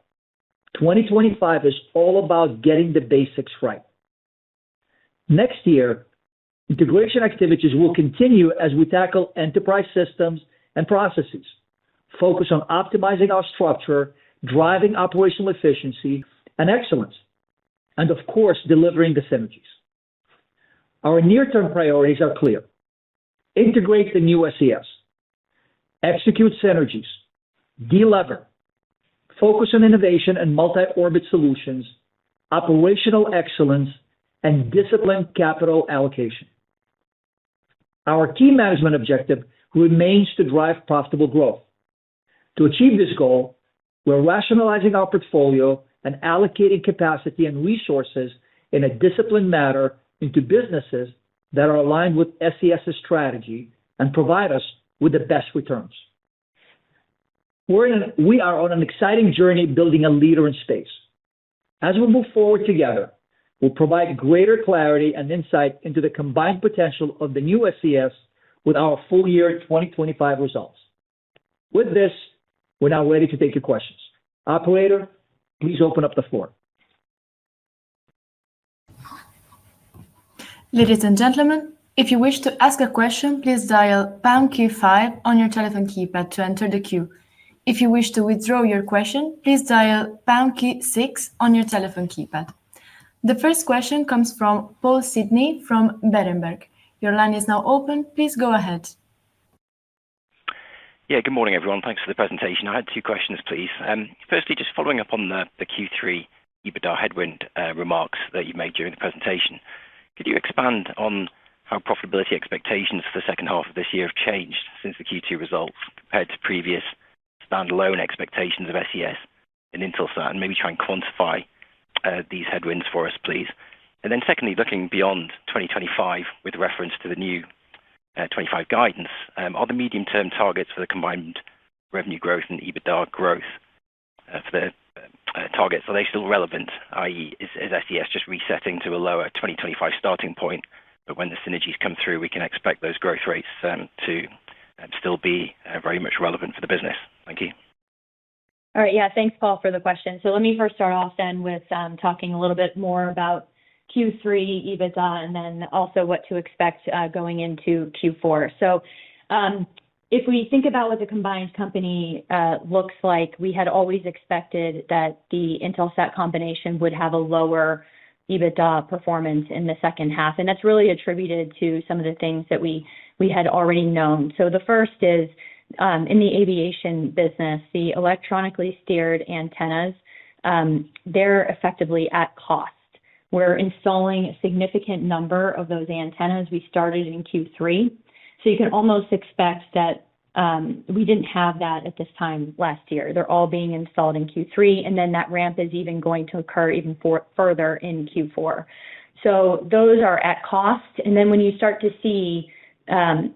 2025 is all about getting the basics right. Next year, integration activities will continue as we tackle enterprise systems and processes, focus on optimizing our structure, driving operational efficiency and excellence, and of course, delivering the synergies. Our near-term priorities are clear. Integrate the new SES. Execute synergies. Deliver. Focus on innovation and multi-orbit solutions, operational excellence, and disciplined capital allocation. Our key management objective remains to drive profitable growth. To achieve this goal, we're rationalizing our portfolio and allocating capacity and resources in a disciplined manner into businesses that are aligned with SES's strategy and provide us with the best returns. We are on an exciting journey building a leader in space. As we move forward together, we'll provide greater clarity and insight into the combined potential of the new SES with our full year 2025 results. With this, we're now ready to take your questions. Operator, please open up the floor. Ladies and gentlemen, if you wish to ask a question, please dial pound key five on your telephone keypad to enter the queue. If you wish to withdraw your question, please dial pound key six on your telephone keypad. The first question comes from Paul Sidney from Berenberg. Your line is now open. Please go ahead. Yeah, good morning, everyone. Thanks for the presentation. I had two questions, please. Firstly, just following up on the Q3 EBITDA headwind remarks that you made during the presentation, could you expand on how profitability expectations for the second half of this year have changed since the Q2 results compared to previous standalone expectations of SES and Intelsat? Maybe try and quantify these headwinds for us, please. Secondly, looking beyond 2025 with reference to the new 2025 guidance, are the medium-term targets for the combined revenue growth and EBITDA growth, for the targets, are they still relevant, i.e., is SES just resetting to a lower 2025 starting point? When the synergies come through, we can expect those growth rates to still be very much relevant for the business. Thank you. All right. Yeah, thanks, Paul, for the question. Let me first start off then with talking a little bit more about Q3 EBITDA and then also what to expect going into Q4. If we think about what the combined company looks like, we had always expected that the Intelsat combination would have a lower EBITDA performance in the second half. That is really attributed to some of the things that we had already known. The first is in the aviation business, the electronically steered antennas. They are effectively at cost. We are installing a significant number of those antennas. We started in Q3. You can almost expect that. We did not have that at this time last year. They are all being installed in Q3, and then that ramp is even going to occur even further in Q4. Those are at cost. When you start to see.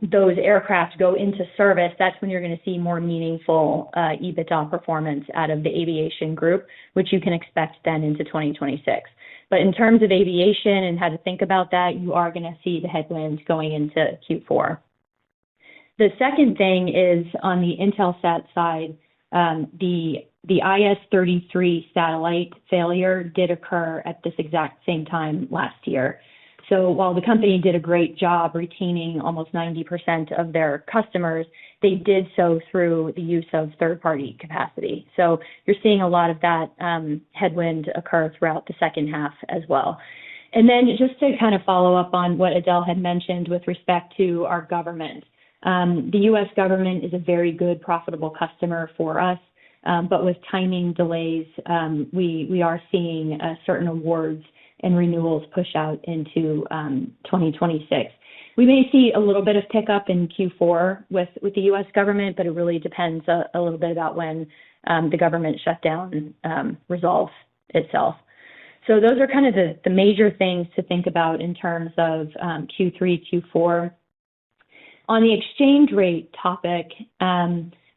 Those aircraft go into service, that's when you're going to see more meaningful EBITDA performance out of the aviation group, which you can expect then into 2026. In terms of aviation and how to think about that, you are going to see the headwinds going into Q4. The second thing is on the Intelsat side, the IS-33 satellite failure did occur at this exact same time last year. While the company did a great job retaining almost 90% of their customers, they did so through the use of third-party capacity. You're seeing a lot of that headwind occur throughout the second half as well. Just to kind of follow up on what Adel had mentioned with respect to our government, the U.S. government is a very good, profitable customer for us, but with timing delays, we are seeing certain awards and renewals push out into. 2026. We may see a little bit of pickup in Q4 with the U.S. government, but it really depends a little bit about when the government shutdown and resolves itself. Those are kind of the major things to think about in terms of Q3, Q4. On the exchange rate topic,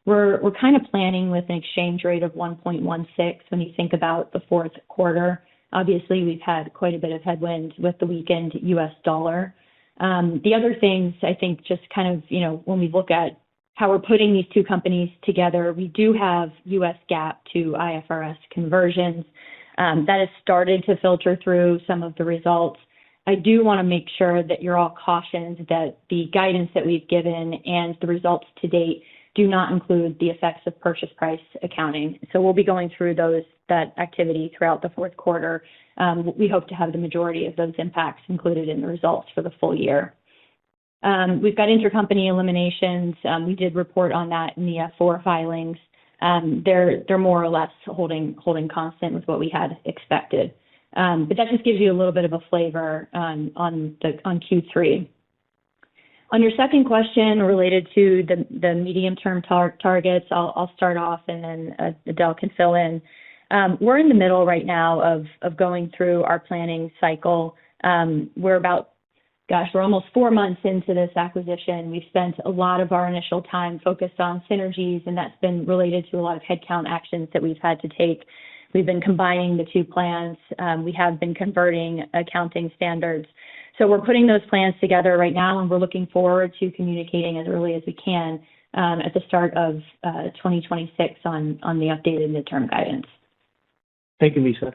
we're kind of planning with an exchange rate of 1.16 when you think about the fourth quarter. Obviously, we've had quite a bit of headwinds with the weakened U.S. dollar. The other things, I think, just kind of when we look at how we're putting these two companies together, we do have U.S. GAAP to IFRS conversions. That has started to filter through some of the results. I do want to make sure that you're all cautioned that the guidance that we've given and the results to date do not include the effects of purchase price accounting. We'll be going through that activity throughout the fourth quarter. We hope to have the majority of those impacts included in the results for the full year. We've got intercompany eliminations. We did report on that in the F4 filings. They're more or less holding constant with what we had expected. That just gives you a little bit of a flavor on Q3. On your second question related to the medium-term targets, I'll start off, and then Adel can fill in. We're in the middle right now of going through our planning cycle. We're about, gosh, we're almost four months into this acquisition. We've spent a lot of our initial time focused on synergies, and that's been related to a lot of headcount actions that we've had to take. We've been combining the two plans. We have been converting accounting standards. We're putting those plans together right now, and we're looking forward to communicating as early as we can at the start of 2026 on the updated midterm guidance. Thank you, Lisa.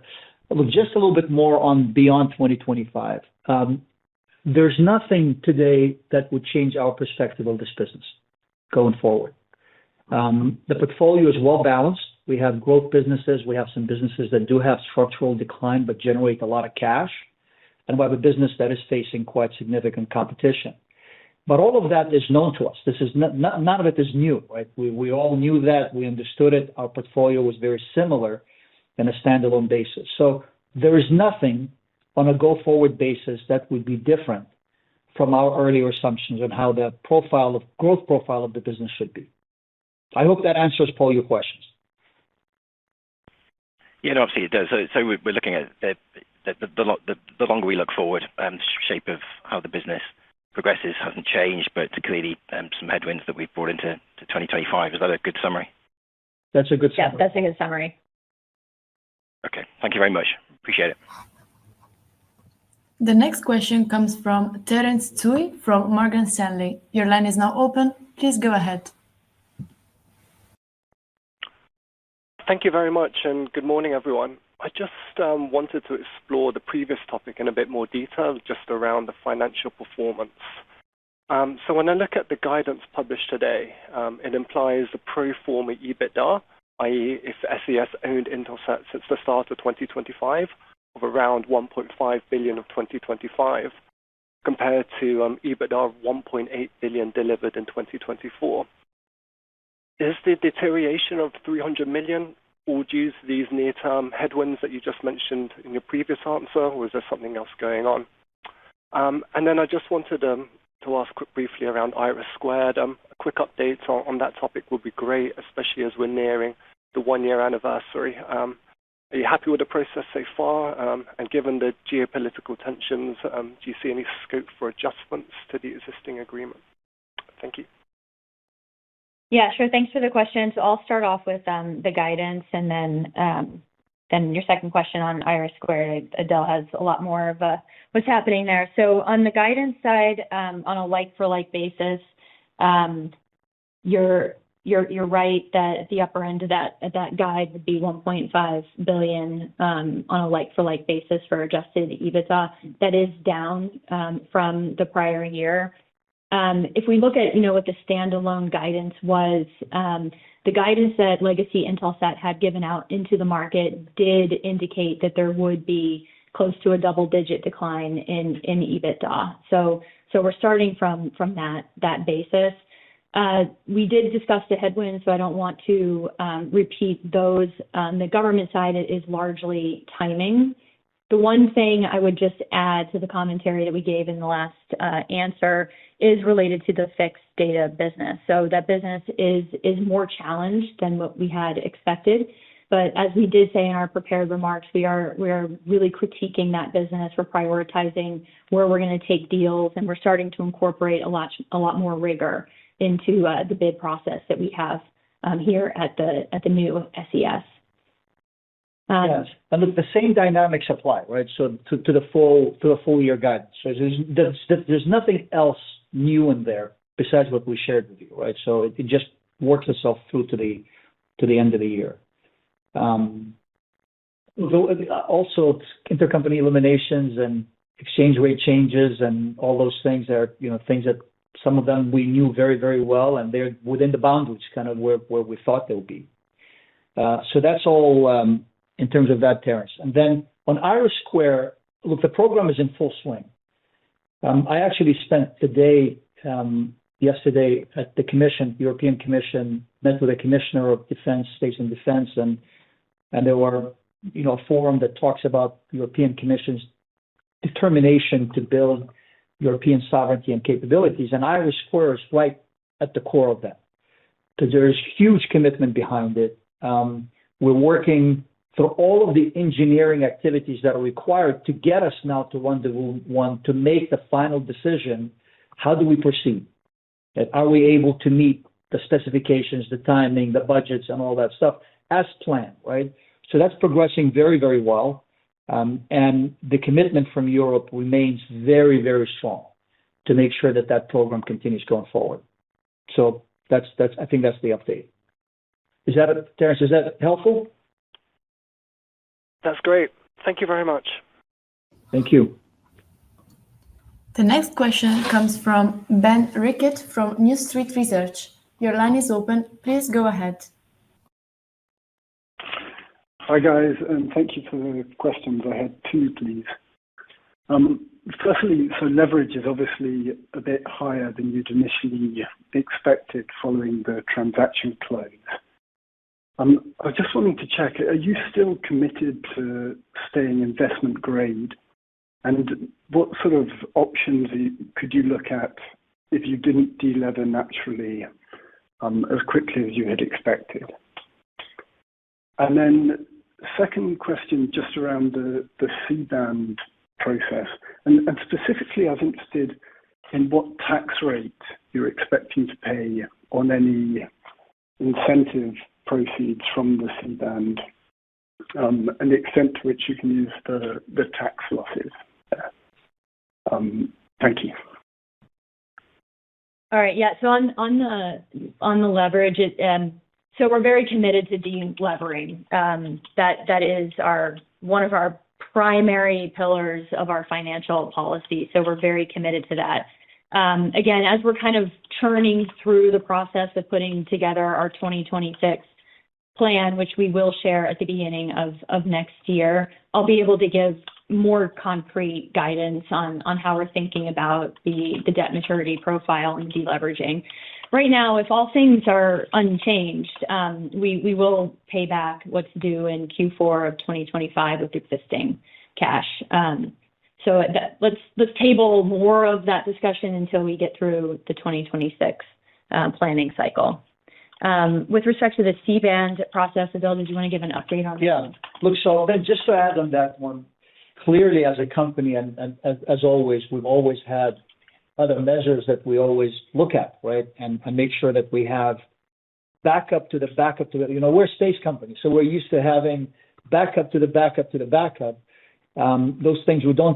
Just a little bit more on beyond 2025. There is nothing today that would change our perspective on this business going forward. The portfolio is well-balanced. We have growth businesses. We have some businesses that do have structural decline but generate a lot of cash. We have a business that is facing quite significant competition. All of that is known to us. None of it is new, right? We all knew that. We understood it. Our portfolio was very similar on a standalone basis. There is nothing on a go-forward basis that would be different from our earlier assumptions on how the growth profile of the business should be. I hope that answers all your questions. Yeah, no, absolutely. So we're looking at. The longer we look forward, the shape of how the business progresses hasn't changed, but clearly some headwinds that we've brought into 2025. Is that a good summary? That's a good summary. Yeah, that's a good summary. Okay. Thank you very much. Appreciate it. The next question comes from Terence Tui from Morgan Stanley. Your line is now open. Please go ahead. Thank you very much, and good morning, everyone. I just wanted to explore the previous topic in a bit more detail just around the financial performance. So when I look at the guidance published today, it implies the pro forma EBITDA, i.e., if SES owned Intelsat since the start of 2025, of around 1.5 billion of 2025. Compared to EBITDA of 1.8 billion delivered in 2024. Is the deterioration of 300 million all due to these near-term headwinds that you just mentioned in your previous answer, or is there something else going on? I just wanted to ask quickly around IRIS². A quick update on that topic would be great, especially as we're nearing the one-year anniversary. Are you happy with the process so far? Given the geopolitical tensions, do you see any scope for adjustments to the existing agreement? Thank you. Yeah, sure. Thanks for the questions. I'll start off with the guidance, and then your second question on IRIS², Adel has a lot more of what's happening there. On the guidance side, on a like-for-like basis, you're right that the upper end of that guide would be 1.5 billion on a like-for-like basis for Adjusted EBITDA. That is down from the prior year. If we look at what the standalone guidance was. The guidance that Legacy Intelsat had given out into the market did indicate that there would be close to a double-digit decline in EBITDA. So we're starting from that basis. We did discuss the headwinds, so I don't want to repeat those. On the government side, it is largely timing. The one thing I would just add to the commentary that we gave in the last answer is related to the fixed data business. So that business is more challenged than what we had expected. But as we did say in our prepared remarks, we are really critiquing that business. We're prioritizing where we're going to take deals, and we're starting to incorporate a lot more rigor into the bid process that we have here at the new SES. Yes. And look, the same dynamics apply, right? To the full-year guidance. There is nothing else new in there besides what we shared with you, right? It just works itself through to the end of the year. Also, intercompany eliminations and exchange rate changes and all those things are things that some of them we knew very, very well, and they are within the boundaries kind of where we thought they would be. That is all in terms of that, Terence. On IRIS², look, the program is in full swing. I actually spent today, yesterday at the European Commission, met with the Commissioner of Defense, States and Defense, and there was a forum that talks about European Commission's determination to build European sovereignty and capabilities. IRIS² is right at the core of that. There is huge commitment behind it. We're working through all of the engineering activities that are required to get us now to one-to-one to make the final decision. How do we proceed? Are we able to meet the specifications, the timing, the budgets, and all that stuff as planned, right? That is progressing very, very well. The commitment from Europe remains very, very strong to make sure that that program continues going forward. I think that's the update. Is that it, Terence? Is that helpful? That's great. Thank you very much. Thank you. The next question comes from Ben Rickett from New Street Research. Your line is open. Please go ahead. Hi, guys. And thank you for the questions. I had two, please. Firstly, leverage is obviously a bit higher than you'd initially expected following the transaction close. I was just wanting to check. Are you still committed to staying investment-grade? What sort of options could you look at if you did not delever naturally as quickly as you had expected? Second question, just around the C-band process. Specifically, I was interested in what tax rate you are expecting to pay on any incentive proceeds from the C-band and the extent to which you can use the tax losses. Thank you. All right. Yeah. On the leverage, we are very committed to de-levering. That is one of our primary pillars of our financial policy. We are very committed to that. Again, as we are kind of churning through the process of putting together our 2026 plan, which we will share at the beginning of next year, I will be able to give more concrete guidance on how we are thinking about the debt maturity profile and de-leveraging. Right now, if all things are unchanged, we will pay back what's due in Q4 of 2025 with existing cash. Let's table more of that discussion until we get through the 2026 planning cycle. With respect to the C-band process, Adel, did you want to give an update on that? Yeah. Look, just to add on that one, clearly, as a company, and as always, we've always had other measures that we always look at, right, and make sure that we have backup to the backup to the—we're a space company. We're used to having backup to the backup to the backup. Those things, we do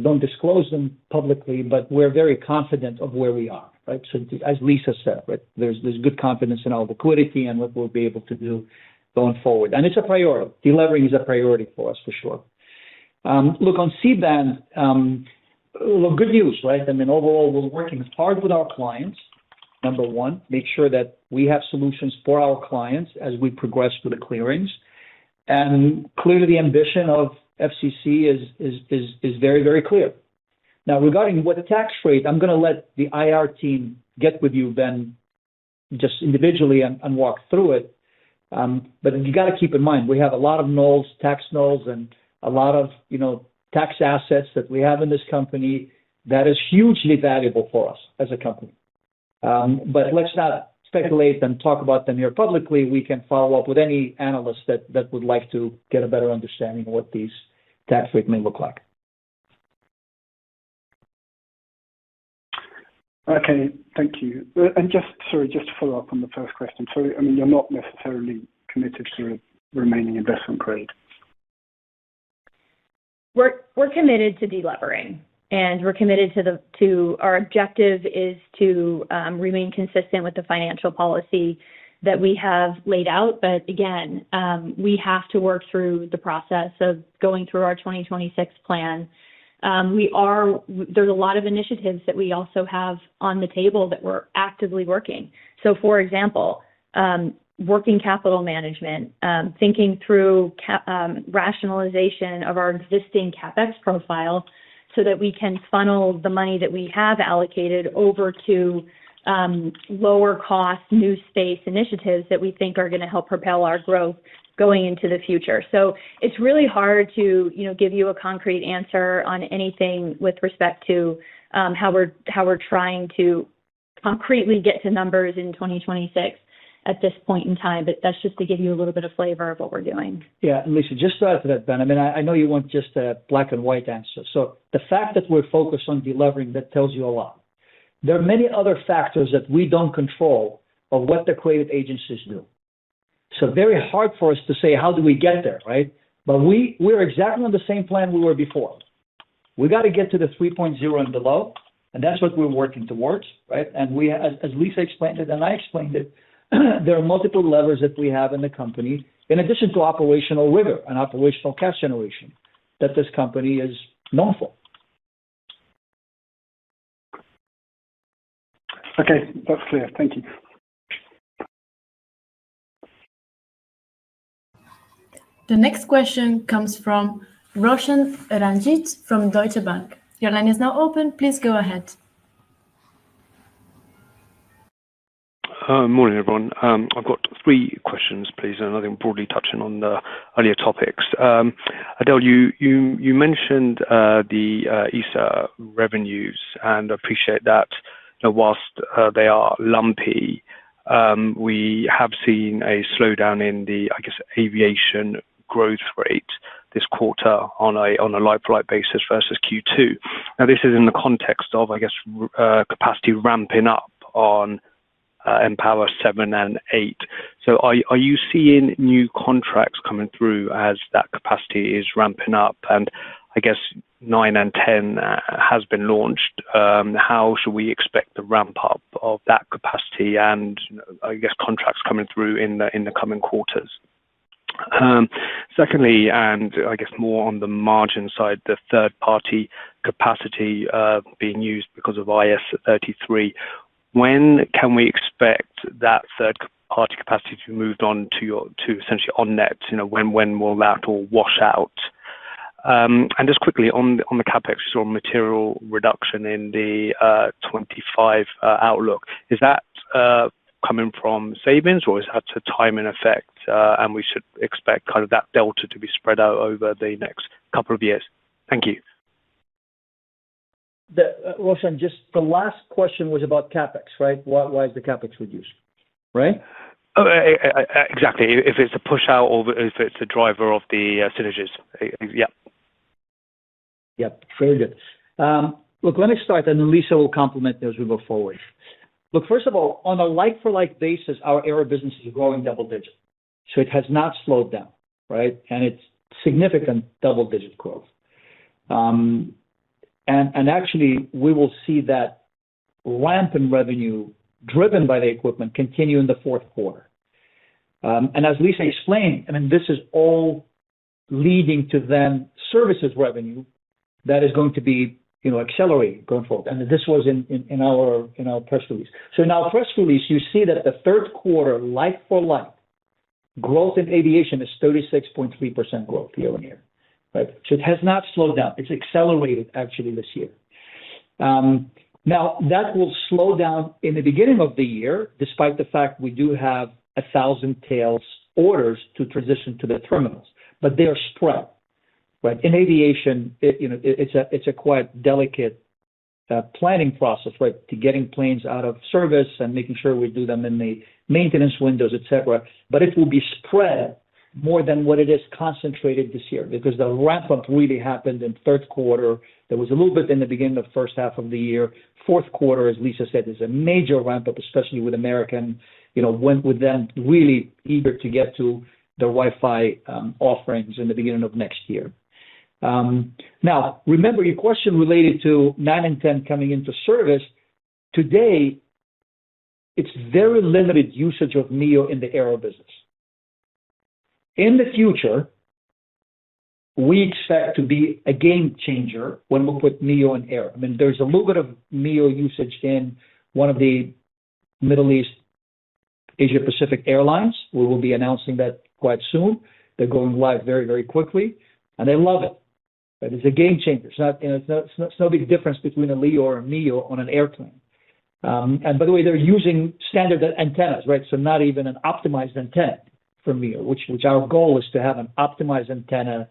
not disclose them publicly, but we're very confident of where we are, right? As Lisa said, there is good confidence in our liquidity and what we'll be able to do going forward. It is a priority. Delivering is a priority for us, for sure. Look, on C-band. Look, good news, right? I mean, overall, we're working hard with our clients, number one, make sure that we have solutions for our clients as we progress with the clearings. Clearly, the ambition of FCC is very, very clear. Now, regarding what the tax rate, I'm going to let the IR team get with you, Ben, just individually and walk through it. You got to keep in mind, we have a lot of tax NOLs and a lot of tax assets that we have in this company that is hugely valuable for us as a company. Let's not speculate and talk about them here publicly. We can follow up with any analyst that would like to get a better understanding of what these tax rates may look like. Okay. Thank you. Sorry, just to follow up on the first question. I mean, you're not necessarily committed to remaining investment-grade? We're committed to de-levering. We're committed to our objective to remain consistent with the financial policy that we have laid out. Again, we have to work through the process of going through our 2026 plan. There are a lot of initiatives that we also have on the table that we're actively working. For example, working capital management, thinking through rationalization of our existing CapEx profile so that we can funnel the money that we have allocated over to lower-cost new space initiatives that we think are going to help propel our growth going into the future. It's really hard to give you a concrete answer on anything with respect to how we're trying to concretely get to numbers in 2026 at this point in time. That's just to give you a little bit of flavor of what we're doing. Yeah. Lisa, just to add to that, Ben, I mean, I know you want just a black-and-white answer. The fact that we're focused on delivering, that tells you a lot. There are many other factors that we don't control of what the accredited agencies do. Very hard for us to say, "How do we get there?" Right? We're exactly on the same plan we were before. We got to get to the 3.0 and below, and that's what we're working towards, right? As Lisa explained it, and I explained it, there are multiple levers that we have in the company in addition to operational rigor and operational cash generation that this company is known for. Okay. That's clear. Thank you. The next question comes from Roshan Ranjit from Deutsche Bank. Your line is now open. Please go ahead. Good morning, everyone. I've got three questions, please, and I think we're broadly touching on the earlier topics. Adel, you mentioned the ESA revenues, and I appreciate that. Whilst they are lumpy, we have seen a slowdown in the, I guess, aviation growth rate this quarter on a like-for-like basis versus Q2. Now, this is in the context of, I guess, capacity ramping up on mPOWER 7 and mPOWER 8. Are you seeing new contracts coming through as that capacity is ramping up? And I guess mPOWER 9 and mPOWER 10 have been launched. How should we expect the ramp-up of that capacity and, I guess, contracts coming through in the coming quarters? Secondly, and I guess more on the margin side, the third-party capacity being used because of IS-33. When can we expect that third-party capacity to be moved on to essentially on-net? When will that all wash out? Just quickly, on the CapEx or material reduction in the 2025 outlook, is that coming from savings, or is that a timing effect, and should we expect that delta to be spread out over the next couple of years? Thank you. Roshan, just the last question was about CapEx, right? Why is the CapEx reduced, right? Exactly. If it's a push-out or if it's a driver of the synergies. Yeah. Yep. Very good. Look, let me start, and then Lisa will complement as we move forward. First of all, on a like-for-like basis, our air business is growing double-digit. It has not slowed down, right? It is significant double-digit growth. Actually, we will see that. Ramp in revenue driven by the equipment continue in the fourth quarter. As Lisa explained, I mean, this is all leading to then services revenue that is going to be accelerated going forward. This was in our press release. In our press release, you see that the third quarter, like-for-like, growth in aviation is 36.3% growth year-on-year, right? It has not slowed down. It has accelerated, actually, this year. That will slow down in the beginning of the year, despite the fact we do have 1,000 tails orders to transition to the terminals. They are spread, right? In aviation, it is a quite delicate planning process, right, to getting planes out of service and making sure we do them in the maintenance windows, etc. It will be spread more than what it is concentrated this year because the ramp-up really happened in the third quarter. There was a little bit in the beginning of the first half of the year. Fourth quarter, as Lisa said, is a major ramp-up, especially with American. Went with them really eager to get to the Wi-Fi offerings in the beginning of next year. Now, remember, your question related to mPOWER 9 and mPOWER 10 coming into service, today. It's very limited usage of MEO in the air business. In the future, we expect to be a game changer when we put MEO in air. I mean, there's a little bit of MEO usage in one of the Middle East Asia-Pacific airlines. We will be announcing that quite soon. They're going live very, very quickly. And they love it. It's a game changer. It's no big difference between a LEO or a MEO on an airplane. By the way, they're using standard antennas, right? Not even an optimized antenna for MEO, which our goal is to have an optimized antenna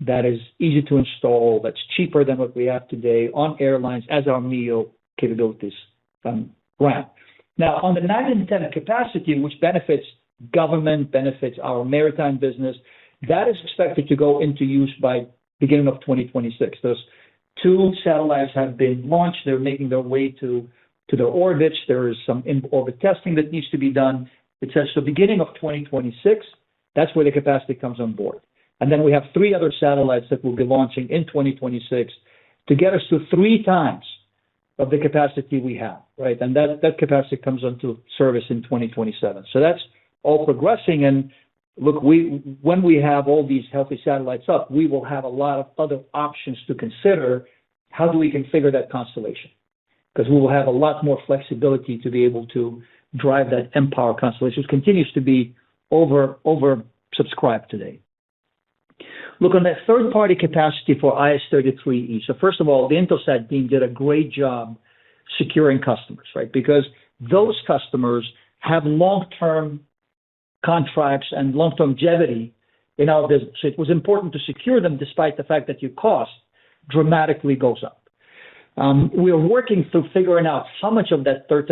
that is easy to install, that's cheaper than what we have today on airlines as our MEO capabilities ramp. Now, on the mPOWER 9 and mPOWER 10 capacity, which benefits government, benefits our maritime business, that is expected to go into use by the beginning of 2026. Those two satellites have been launched. They're making their way to their orbits. There is some in-orbit testing that needs to be done, etc. Beginning of 2026, that's where the capacity comes on board. We have three other satellites that we'll be launching in 2026 to get us to 3x the capacity we have, right? That capacity comes into service in 2027. That is all progressing. Look, when we have all these healthy satellites up, we will have a lot of other options to consider. How do we configure that constellation? We will have a lot more flexibility to be able to drive that mPOWER Constellation, which continues to be oversubscribed today. On that third-party capacity for IS-33e, first of all, the Intelsat team did a great job securing customers, right? Those customers have long-term contracts and long-term jeopardy in our business. It was important to secure them despite the fact that your cost dramatically goes up. We are working through figuring out how much of that third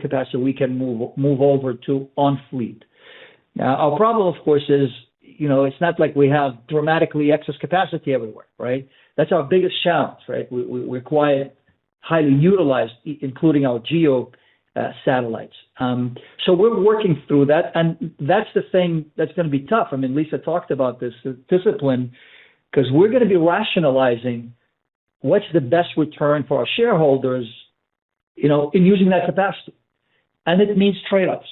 capacity we can move over to on fleet. Our problem, of course, is it is not like we have dramatically excess capacity everywhere, right? That is our biggest challenge, right? We're quite highly utilized, including our GEO satellites. We're working through that. That's the thing that's going to be tough. I mean, Lisa talked about this discipline because we're going to be rationalizing what's the best return for our shareholders in using that capacity. It means trade-offs.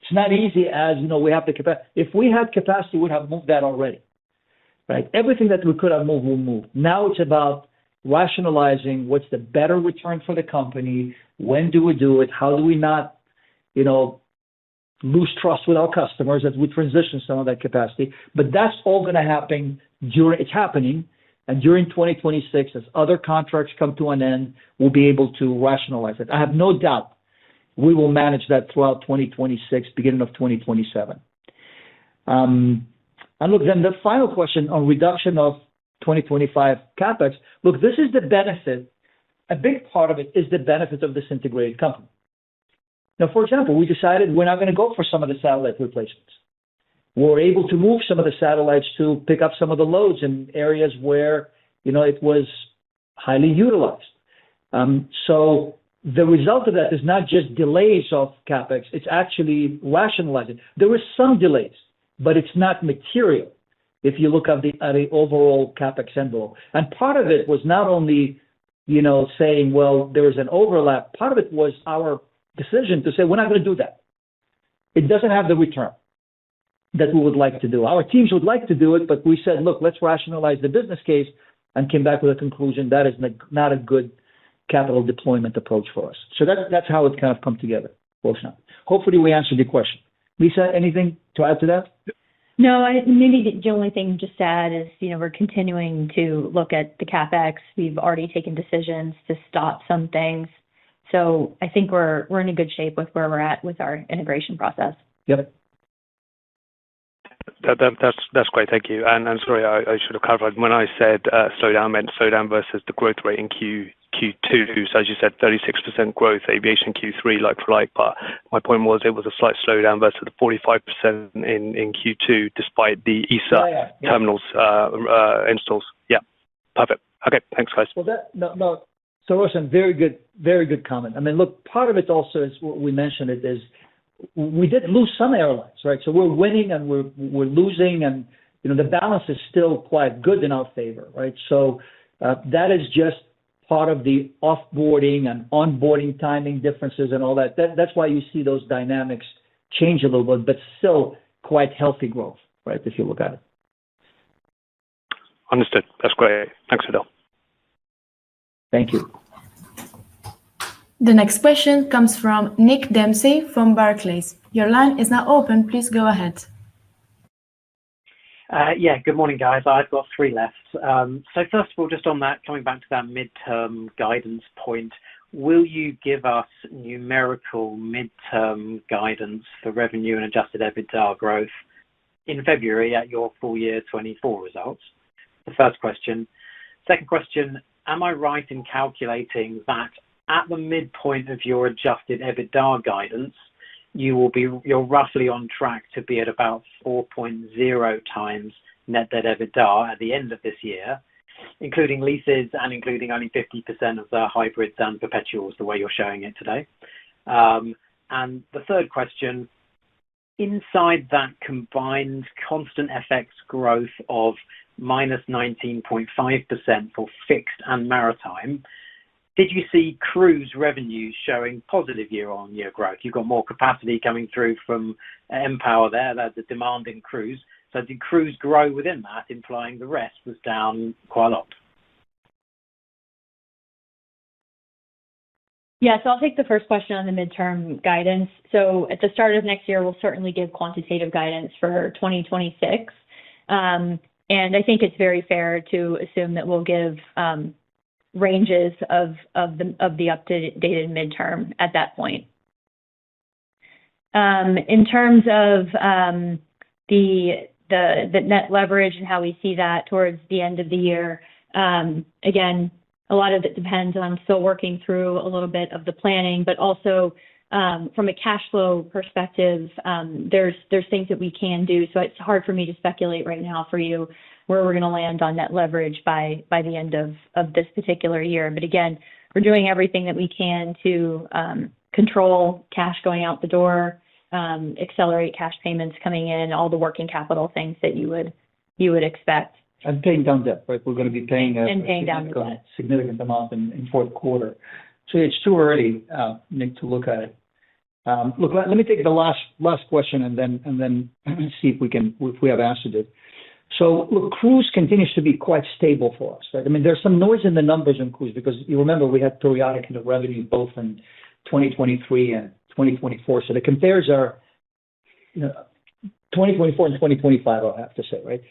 It's not as easy as we have the capacity. If we had capacity, we would have moved that already, right? Everything that we could have moved, we'll move. Now it's about rationalizing what's the better return for the company. When do we do it? How do we not lose trust with our customers as we transition some of that capacity? That's all going to happen. It's happening. During 2026, as other contracts come to an end, we'll be able to rationalize it. I have no doubt we will manage that throughout 2026, beginning of 2027. Look, the final question on reduction of 2025 CapEx, this is the benefit. A big part of it is the benefit of this integrated company. For example, we decided we're not going to go for some of the satellite replacements. We're able to move some of the satellites to pick up some of the loads in areas where it was highly utilized. The result of that is not just delays of CapEx. It's actually rationalizing. There were some delays, but it's not material if you look at the overall CapEx envelope. Part of it was not only saying, "Well, there is an overlap." Part of it was our decision to say, "We're not going to do that." It doesn't have the return that we would like to do. Our teams would like to do it, but we said, "Look, let's rationalize the business case," and came back with a conclusion that is not a good capital deployment approach for us. That is how it kind of came together, Roshan. Hopefully, we answered your question. Lisa, anything to add to that? No, maybe the only thing just to add is we are continuing to look at the CapEx. We have already taken decisions to stop some things. I think we are in a good shape with where we are at with our integration process. Yep. That is great. Thank you. Sorry, I should have clarified. When I said slowdown, I meant slowdown versus the growth rate in Q2. As you said, 36% growth, aviation Q3, like-for-like. My point was it was a slight slowdown versus the 45% in Q2 despite the ESA terminals. Installs. Yeah. Perfect. Okay. Thanks, guys. Roshan, very good comment. I mean, look, part of it also is what we mentioned is we did lose some airlines, right? We're winning and we're losing, and the balance is still quite good in our favor, right? That is just part of the offboarding and onboarding timing differences and all that. That's why you see those dynamics change a little bit, but still quite healthy growth, right, if you look at it. Understood. That's great. Thanks, Adel. Thank you. The next question comes from Nick Dempsey from Barclays. Your line is now open. Please go ahead. Yeah. Good morning, guys. I've got three left. First of all, just coming back to that midterm guidance point, will you give us numerical midterm guidance for revenue and Adjusted EBITDA growth in February at your full year 2024 results? The first question. Second question, am I right in calculating that at the midpoint of your Adjusted EBITDA guidance, you're roughly on track to be at about 4.0x net debt EBITDA at the end of this year, including leases and including only 50% of the hybrids and perpetuals the way you're showing it today? The third question. Inside that combined constant effects growth of -19.5% for fixed and maritime, did you see cruise revenues showing positive year-on-year growth? You've got more capacity coming through from mPOWER there. That's the demand in cruise. Did cruise grow within that, implying the rest was down quite a lot? Yeah. I'll take the first question on the midterm guidance. At the start of next year, we'll certainly give quantitative guidance for 2026. I think it's very fair to assume that we'll give ranges of the updated midterm at that point. In terms of the net leverage and how we see that towards the end of the year, again, a lot of it depends on still working through a little bit of the planning. Also, from a cash flow perspective, there are things that we can do. It is hard for me to speculate right now for you where we are going to land on net leverage by the end of this particular year. Again, we are doing everything that we can to control cash going out the door, accelerate cash payments coming in, all the working capital things that you would expect. And paying down debt, right? We are going to be paying a significant amount in the fourth quarter. It is too early, Nick, to look at it. Let me take the last question and then see if we have answered it. Look, cruise continues to be quite stable for us, right? I mean, there's some noise in the numbers on cruise because you remember we had periodic revenue both in 2023 and 2024. The compares are 2024 and 2025, I'll have to say, right?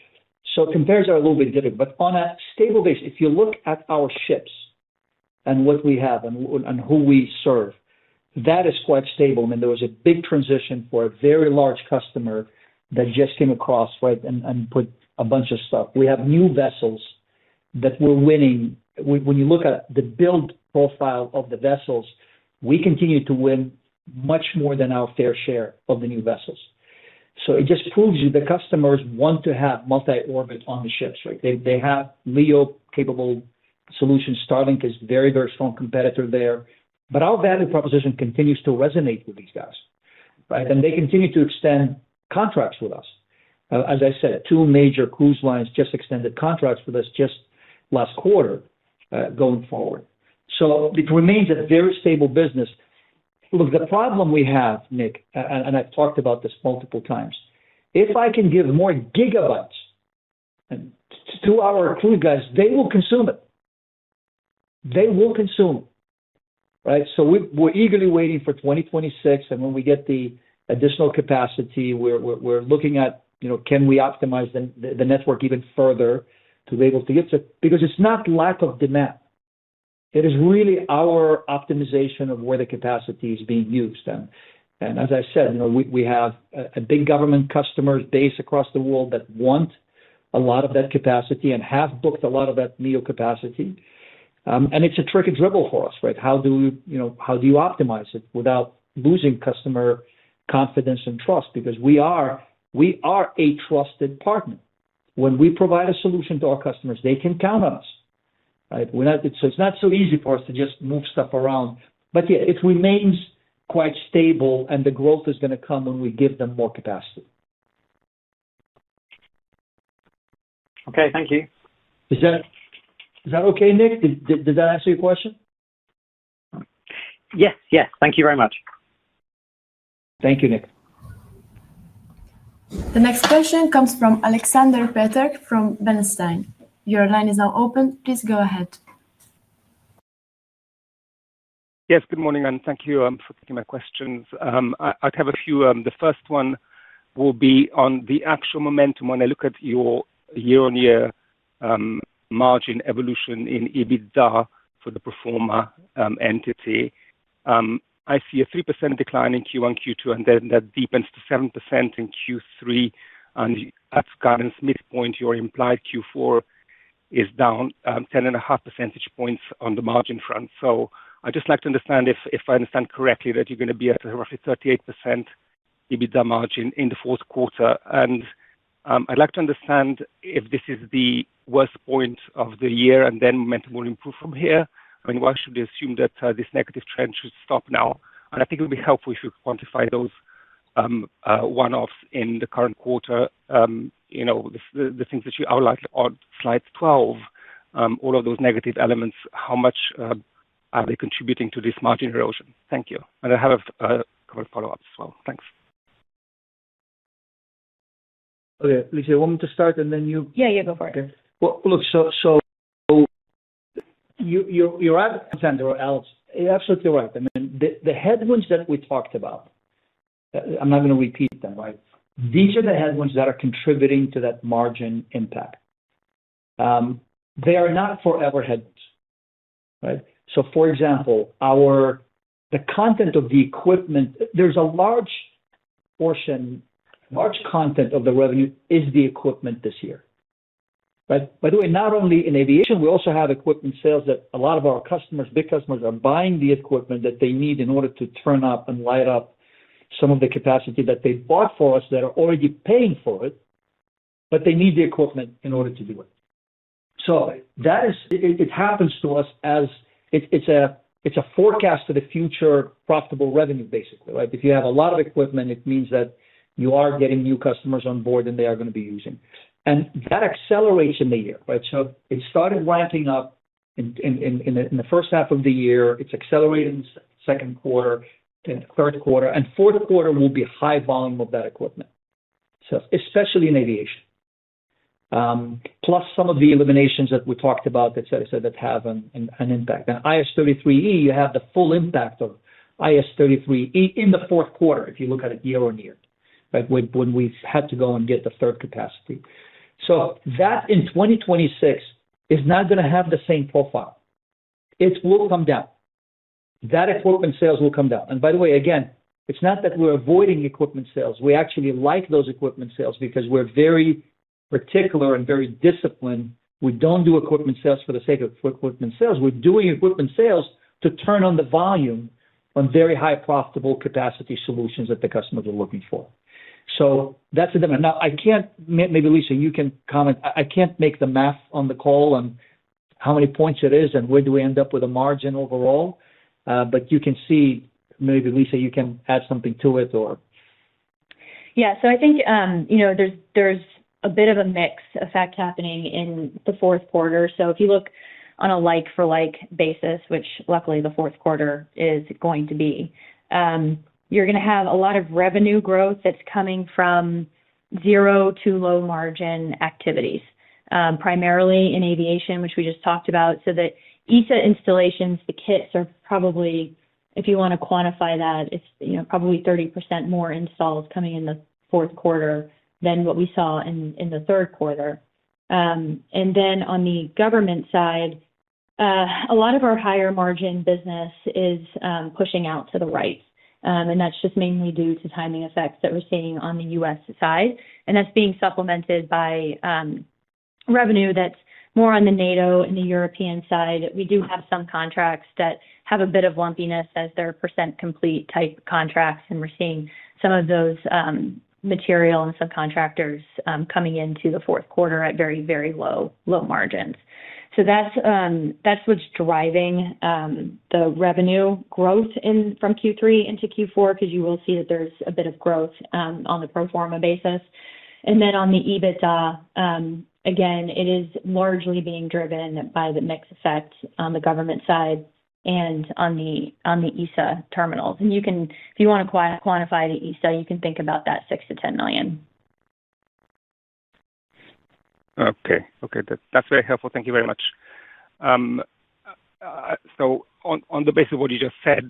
So compares are a little bit different. On a stable basis, if you look at our ships and what we have and who we serve, that is quite stable. I mean, there was a big transition for a very large customer that just came across, right, and put a bunch of stuff. We have new vessels that we're winning. When you look at the build profile of the vessels, we continue to win much more than our fair share of the new vessels. It just proves that the customers want to have multi-orbit on the ships, right? They have LEO capable solutions. Starlink is a very, very strong competitor there. Our value proposition continues to resonate with these guys, right? They continue to extend contracts with us. As I said, two major cruise lines just extended contracts with us just last quarter going forward. It remains a very stable business. Look, the problem we have, Nick, and I've talked about this multiplex, if I can give more gigabytes to our cruise guys, they will consume it. They will consume it, right? We're eagerly waiting for 2026. When we get the additional capacity, we're looking at, can we optimize the network even further to be able to get to it? It is not lack of demand. It is really our optimization of where the capacity is being used. As I said, we have a big government customer base across the world that want a lot of that capacity and have booked a lot of that MEO capacity. It is a tricky dribble for us, right? How do you optimize it without losing customer confidence and trust? Because we are a trusted partner. When we provide a solution to our customers, they can count on us. It is not so easy for us to just move stuff around. Yeah, it remains quite stable, and the growth is going to come when we give them more capacity. Okay. Thank you. Is that okay, Nick? Did that answer your question? Yes. Yes. Thank you very much. Thank you, Nick. The next question comes from Alexander Peterc from Bernstein. Your line is now open. Please go ahead. Yes. Good morning, and thank you for taking my questions. I have a few. The first one will be on the actual momentum when I look at your year-on-year. Margin evolution in EBITDA for the pro forma entity. I see a 3% decline in Q1, Q2, and then that deepens to 7% in Q3. At guidance midpoint, your implied Q4 is down 10.5 percentage points on the margin front. I'd just like to understand if I understand correctly that you're going to be at roughly 38% EBITDA margin in the fourth quarter. I'd like to understand if this is the worst point of the year and then momentum will improve from here. I mean, why should we assume that this negative trend should stop now? I think it would be helpful if you could quantify those one-offs in the current quarter. The things that you outlined on slide 12, all of those negative elements, how much are they contributing to this margin erosion? Thank you. I have a couple of follow-ups as well. Thanks. Okay. Lisa, you want me to start, and then you? Yeah, yeah. Go for it. Okay. Look, you are right. Alexander or Alex, you are absolutely right. I mean, the headwinds that we talked about. I am not going to repeat them, right? These are the headwinds that are contributing to that margin impact. They are not forever headwinds, right? For example, the content of the equipment, there is a large portion, large content of the revenue is the equipment this year, right? By the way, not only in aviation, we also have equipment sales that a lot of our customers, big customers, are buying the equipment that they need in order to turn up and light up some of the capacity that they bought from us that are already paying for it. They need the equipment in order to do it. That is, it happens to us as it's a forecast of the future profitable revenue, basically, right? If you have a lot of equipment, it means that you are getting new customers on board, and they are going to be using. That accelerates in the year, right? It started ramping up in the first half of the year. It's accelerating in the second quarter, third quarter, and fourth quarter will be high volume of that equipment, especially in aviation. Plus some of the eliminations that we talked about that have an impact. IS-33e, you have the full impact of IS-33e in the fourth quarter if you look at it year-on-year, right, when we've had to go and get the third capacity. That in 2026 is not going to have the same profile. It will come down. That equipment sales will come down. By the way, again, it's not that we're avoiding equipment sales. We actually like those equipment sales because we're very particular and very disciplined. We don't do equipment sales for the sake of equipment sales. We're doing equipment sales to turn on the volume on very high profitable capacity solutions that the customers are looking for. That's the demand. Now, maybe, Lisa, you can comment. I can't make the math on the call on how many points it is and where do we end up with a margin overall. You can see, maybe, Lisa, you can add something to it or. Yeah. I think there's a bit of a mix of facts happening in the fourth quarter. If you look on a like-for-like basis, which luckily the fourth quarter is going to be, you're going to have a lot of revenue growth that's coming from zero to low margin activities, primarily in aviation, which we just talked about. The ESA installations, the kits are probably, if you want to quantify that, it's probably 30% more installs coming in the fourth quarter than what we saw in the third quarter. On the government side, a lot of our higher margin business is pushing out to the right. That is just mainly due to timing effects that we are seeing on the U.S. side. That is being supplemented by revenue that is more on the NATO and the European side. We do have some contracts that have a bit of lumpiness as they are percent-complete type contracts. We are seeing some of those material and subcontractors coming into the fourth quarter at very, very low margins. That is what is driving the revenue growth from Q3 into Q4 because you will see that there is a bit of growth on the pro forma basis. Then on the EBITDA, again, it is largely being driven by the mixed effects on the government side and on the ESA terminals. If you want to quantify the ESA, you can think about that as $6 million-$10 million. Okay. Okay. That is very helpful. Thank you very much. On the basis of what you just said,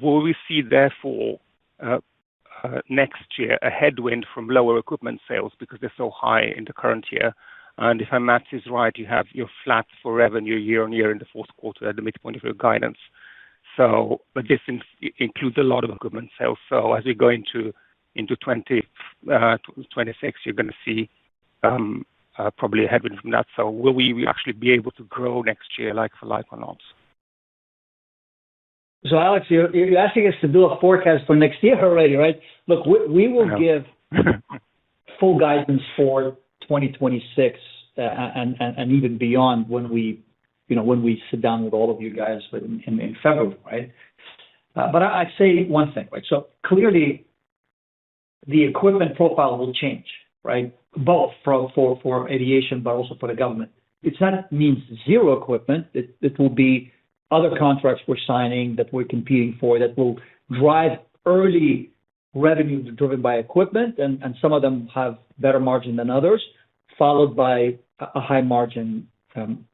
will we see therefore next year a headwind from lower equipment sales because they're so high in the current year? And if my math is right, you have your flat for revenue year-on-year in the fourth quarter at the midpoint of your guidance. This includes a lot of equipment sales. As we go into 2026, you're going to see probably a headwind from that. Will we actually be able to grow next year like-for-like or not? Alex, you're asking us to do a forecast for next year already, right? Look, we will give full guidance for 2026 and even beyond when we sit down with all of you guys in February, right? I'd say one thing, right? Clearly, the equipment profile will change, right? Both for aviation, but also for the government. It means zero equipment. It will be other contracts we're signing that we're competing for that will drive early revenue driven by equipment. And some of them have better margin than others, followed by a high-margin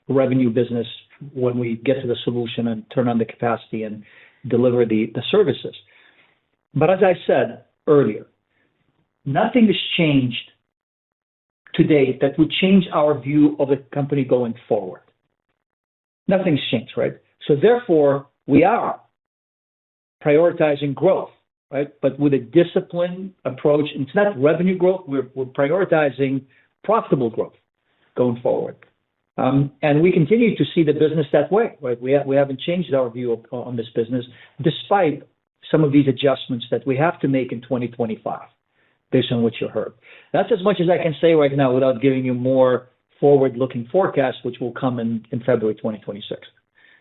revenue business when we get to the solution and turn on the capacity and deliver the services. As I said earlier, nothing has changed today that would change our view of a company going forward. Nothing has changed, right? Therefore, we are prioritizing growth, right? But with a disciplined approach. It's not revenue growth. We're prioritizing profitable growth going forward. We continue to see the business that way, right? We haven't changed our view on this business despite some of these adjustments that we have to make in 2025 based on what you heard. That's as much as I can say right now without giving you more forward-looking forecasts, which will come in February 2026.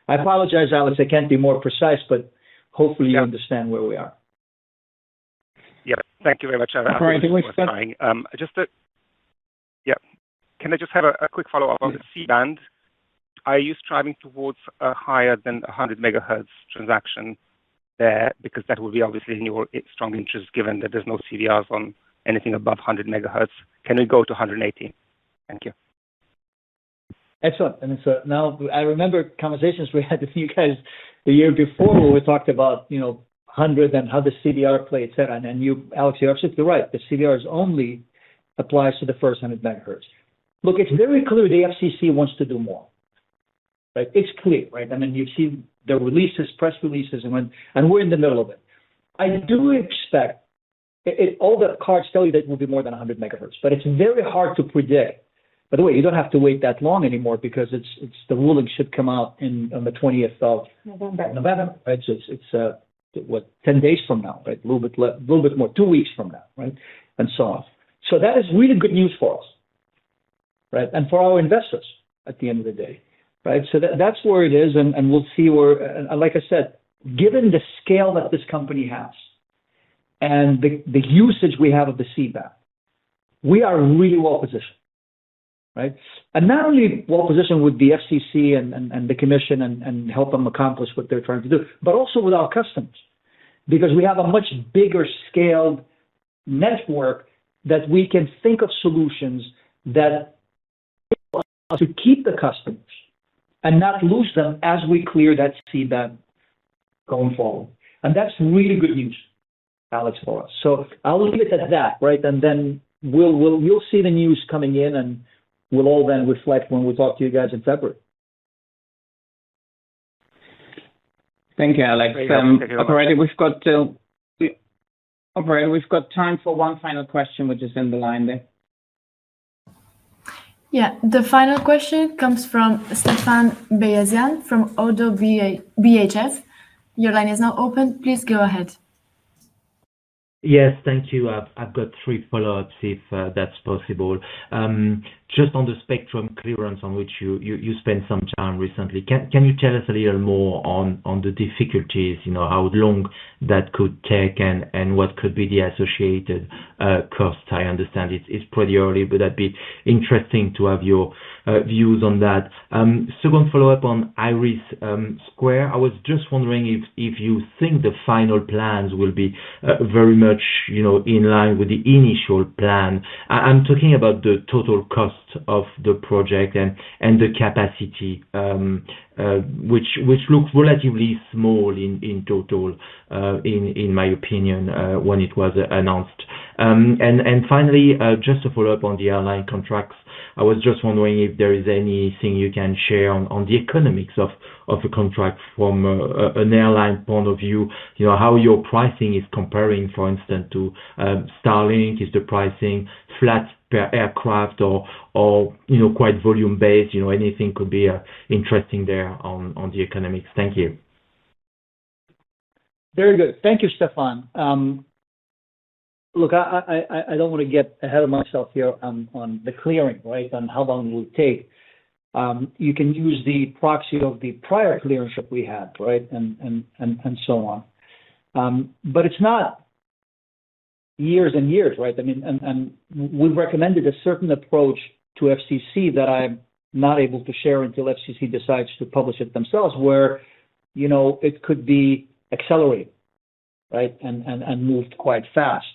I apologize, Alex. I can't be more precise, but hopefully, you understand where we are. Thank you very much. I'm just clarifying. Can I just have a quick follow-up on the C-band? Are you striving towards a higher than 100 MHz transaction there? Because that would be obviously in your strong interest given that there's no CDRs on anything above 100 MHz. Can we go to 180? Thank you. Excellent. Now I remember conversations we had with you guys the year before where we talked about 100 and how the CDR play, etc. Alex, you're absolutely right. The CDRs only apply to the first 100 MHz. Look, it's very clear the FCC wants to do more. Right? It's clear, right? I mean, you've seen the releases, press releases, and we're in the middle of it. I do expect. All the cards tell you that it will be more than 100 MHz. But it's very hard to predict. By the way, you don't have to wait that long anymore because the ruling should come out on the 20th of November. November, right? So it's, what, 10 days from now, right? A little bit more, two weeks from now, right? And so on. That is really good news for us, right? And for our investors at the end of the day, right? That's where it is. We'll see where, like I said, given the scale that this company has. And the usage we have of the C-band, we are really well-positioned, right? Not only well-positioned with the FCC and the commission and help them accomplish what they're trying to do, but also with our customers because we have a much bigger-scaled network that we can think of solutions that. To keep the customers and not lose them as we clear that C-band going forward. That's really good news, Alex, for us. I'll leave it at that, right? We'll see the news coming in, and we'll all then reflect when we talk to you guys in February. Thank you, Alex. All right. We've got time for one final question, which is in the line there. Yeah. The final question comes from Stephane Beyazian from ODDO BHF. Your line is now open. Please go ahead. Yes. Thank you. I've got three follow-ups if that's possible. Just on the spectrum clearance on which you spent some time recently, can you tell us a little more on the difficulties, how long that could take, and what could be the associated cost? I understand it's pretty early, but that'd be interesting to have your views on that. Second follow-up on IRIS². I was just wondering if you think the final plans will be very much in line with the initial plan. I'm talking about the total cost of the project and the capacity, which looked relatively small in total, in my opinion, when it was announced. Finally, just to follow up on the airline contracts, I was just wondering if there is anything you can share on the economics of a contract from an airline point of view, how your pricing is comparing, for instance, to Starlink. Is the pricing flat per aircraft or quite volume-based? Anything could be interesting there on the economics. Thank you. Very good. Thank you, Stephane. Look, I do not want to get ahead of myself here on the clearing, right, on how long it will take. You can use the proxy of the prior clearance that we had, right, and so on. It is not years and years, right? I mean, and we have recommended a certain approach to FCC that I am not able to share until FCC decides to publish it themselves, where it could be accelerated, right, and moved quite fast.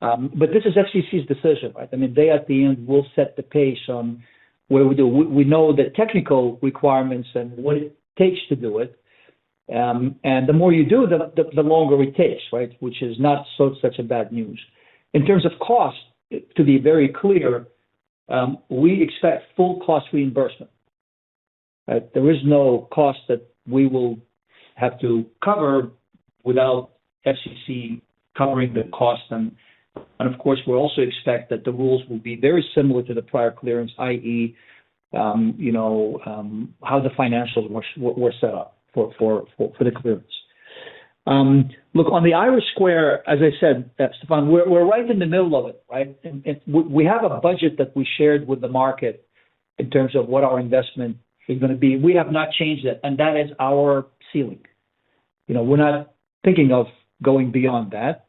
This is FCC's decision, right? I mean, they at the end will set the pace on where we do. We know the technical requirements and what it takes to do it. The more you do, the longer it takes, right, which is not such bad news. In terms of cost, to be very clear. We expect full cost reimbursement. Right? There is no cost that we will have to cover without FCC covering the cost. Of course, we also expect that the rules will be very similar to the prior clearance, i.e. how the financials were set up for the clearance. Look, on the IRIS², as I said, Stephane, we're right in the middle of it, right? We have a budget that we shared with the market in terms of what our investment is going to be. We have not changed that. That is our ceiling. We're not thinking of going beyond that.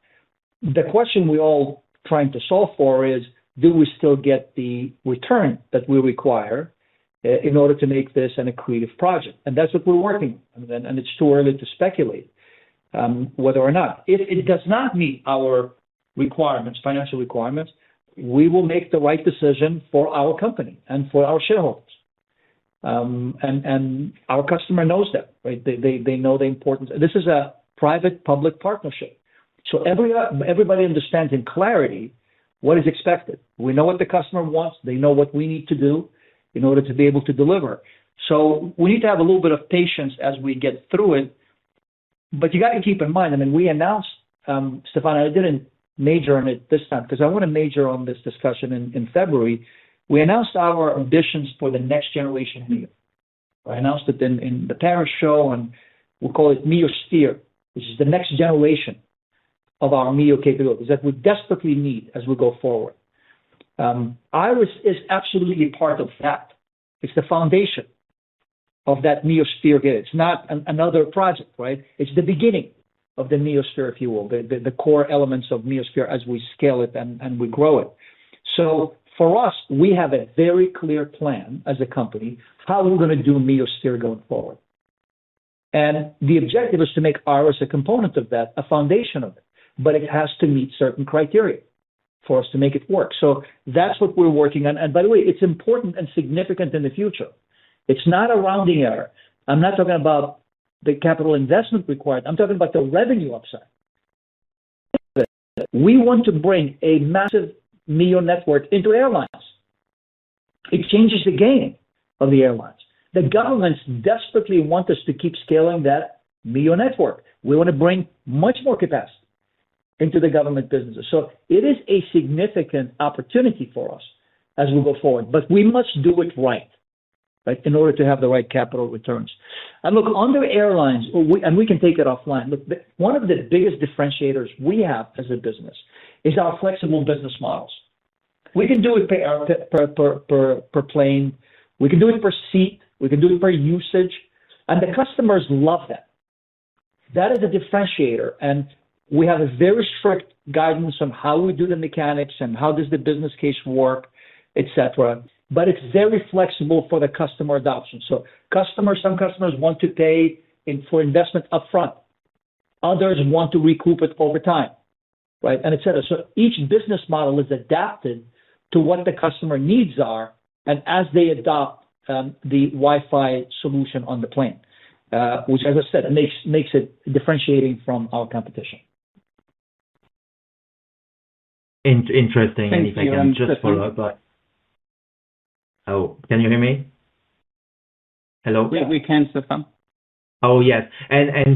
The question we're all trying to solve for is, do we still get the return that we require in order to make this a creative project? That is what we're working on. It is too early to speculate whether or not. If it does not meet our requirements, financial requirements, we will make the right decision for our company and for our shareholders. Our customer knows that, right? They know the importance. This is a private-public partnership. Everybody understands in clarity what is expected. We know what the customer wants. They know what we need to do in order to be able to deliver. We need to have a little bit of patience as we get through it. You got to keep in mind, I mean, we announced, Stephane, and I did not major on it this time because I want to major on this discussion in February. We announced our ambitions for the next generation MEO. I announced it in the Paris show, and we call it meoSphere, which is the next generation of our MEO capabilities that we desperately need as we go forward. IRIS is absolutely part of that. It is the foundation of that meoSphere here. It is not another project, right? It is the beginning of the meoSphere, if you will, the core elements of meoSphere as we scale it and we grow it. For us, we have a very clear plan as a company how we are going to do meoSphere going forward. The objective is to make IRIS a component of that, a foundation of it. It has to meet certain criteria for us to make it work. That is what we are working on. By the way, it is important and significant in the future. It is not a rounding error. I am not talking about the capital investment required. I am talking about the revenue upside. We want to bring a massive MEO network into airlines. It changes the game of the airlines. The governments desperately want us to keep scaling that MEO network. We want to bring much more capacity into the government businesses. It is a significant opportunity for us as we go forward. We must do it right in order to have the right capital returns. Look, on the airlines, we can take it offline. One of the biggest differentiators we have as a business is our flexible business models. We can do it per plane. We can do it per seat. We can do it per usage. The customers love that. That is a differentiator. We have a very strict guidance on how we do the mechanics and how does the business case work, etc. It is very flexible for the customer adoption. Some customers want to pay for investment upfront. Others want to recoup it over time, and etc. Each business model is adapted to what the customer needs are. As they adopt the Wi-Fi solution on the plane, which, as I said, makes it differentiating from our competition. Interesting. If I can just follow up. Oh, can you hear me? Hello? Yeah, we can, Stephane. Oh, yes.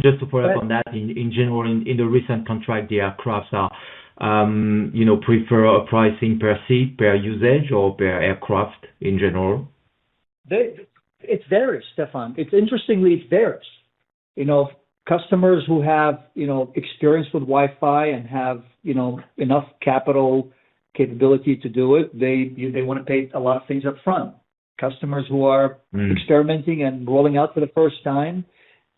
Just to follow up on that, in general, in the recent contract, the aircraft are. Prefer a pricing per seat, per usage, or per aircraft in general? It varies, Stephane. Interestingly, it varies. Customers who have experience with Wi-Fi and have enough capital capability to do it, they want to pay a lot of things upfront. Customers who are experimenting and rolling out for the first time,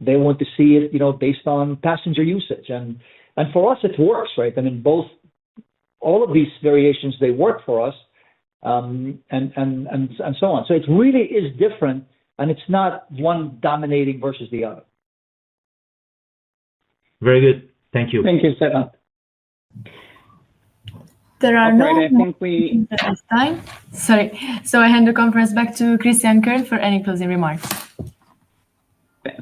they want to see it based on passenger usage. For us, it works, right? I mean, all of these variations, they work for us. And so on. It really is different, and it's not one dominating versus the other. Very good. Thank you. Thank you, Stephane. There are no more questions. Sorry. I hand the conference back to Christian Kern for any closing remarks.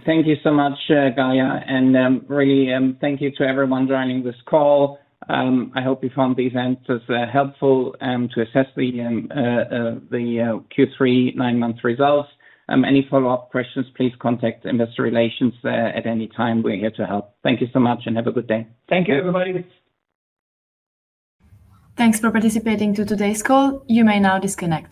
Thank you so much, Gaia. And really, thank you to everyone joining this call. I hope you found these answers helpful to assess the Q3 nine-month results. Any follow-up questions, please contact Investor Relations at any time. We're here to help. Thank you so much, and have a good day. Thank you, everybody. Thanks for participating in today's call. You may now disconnect.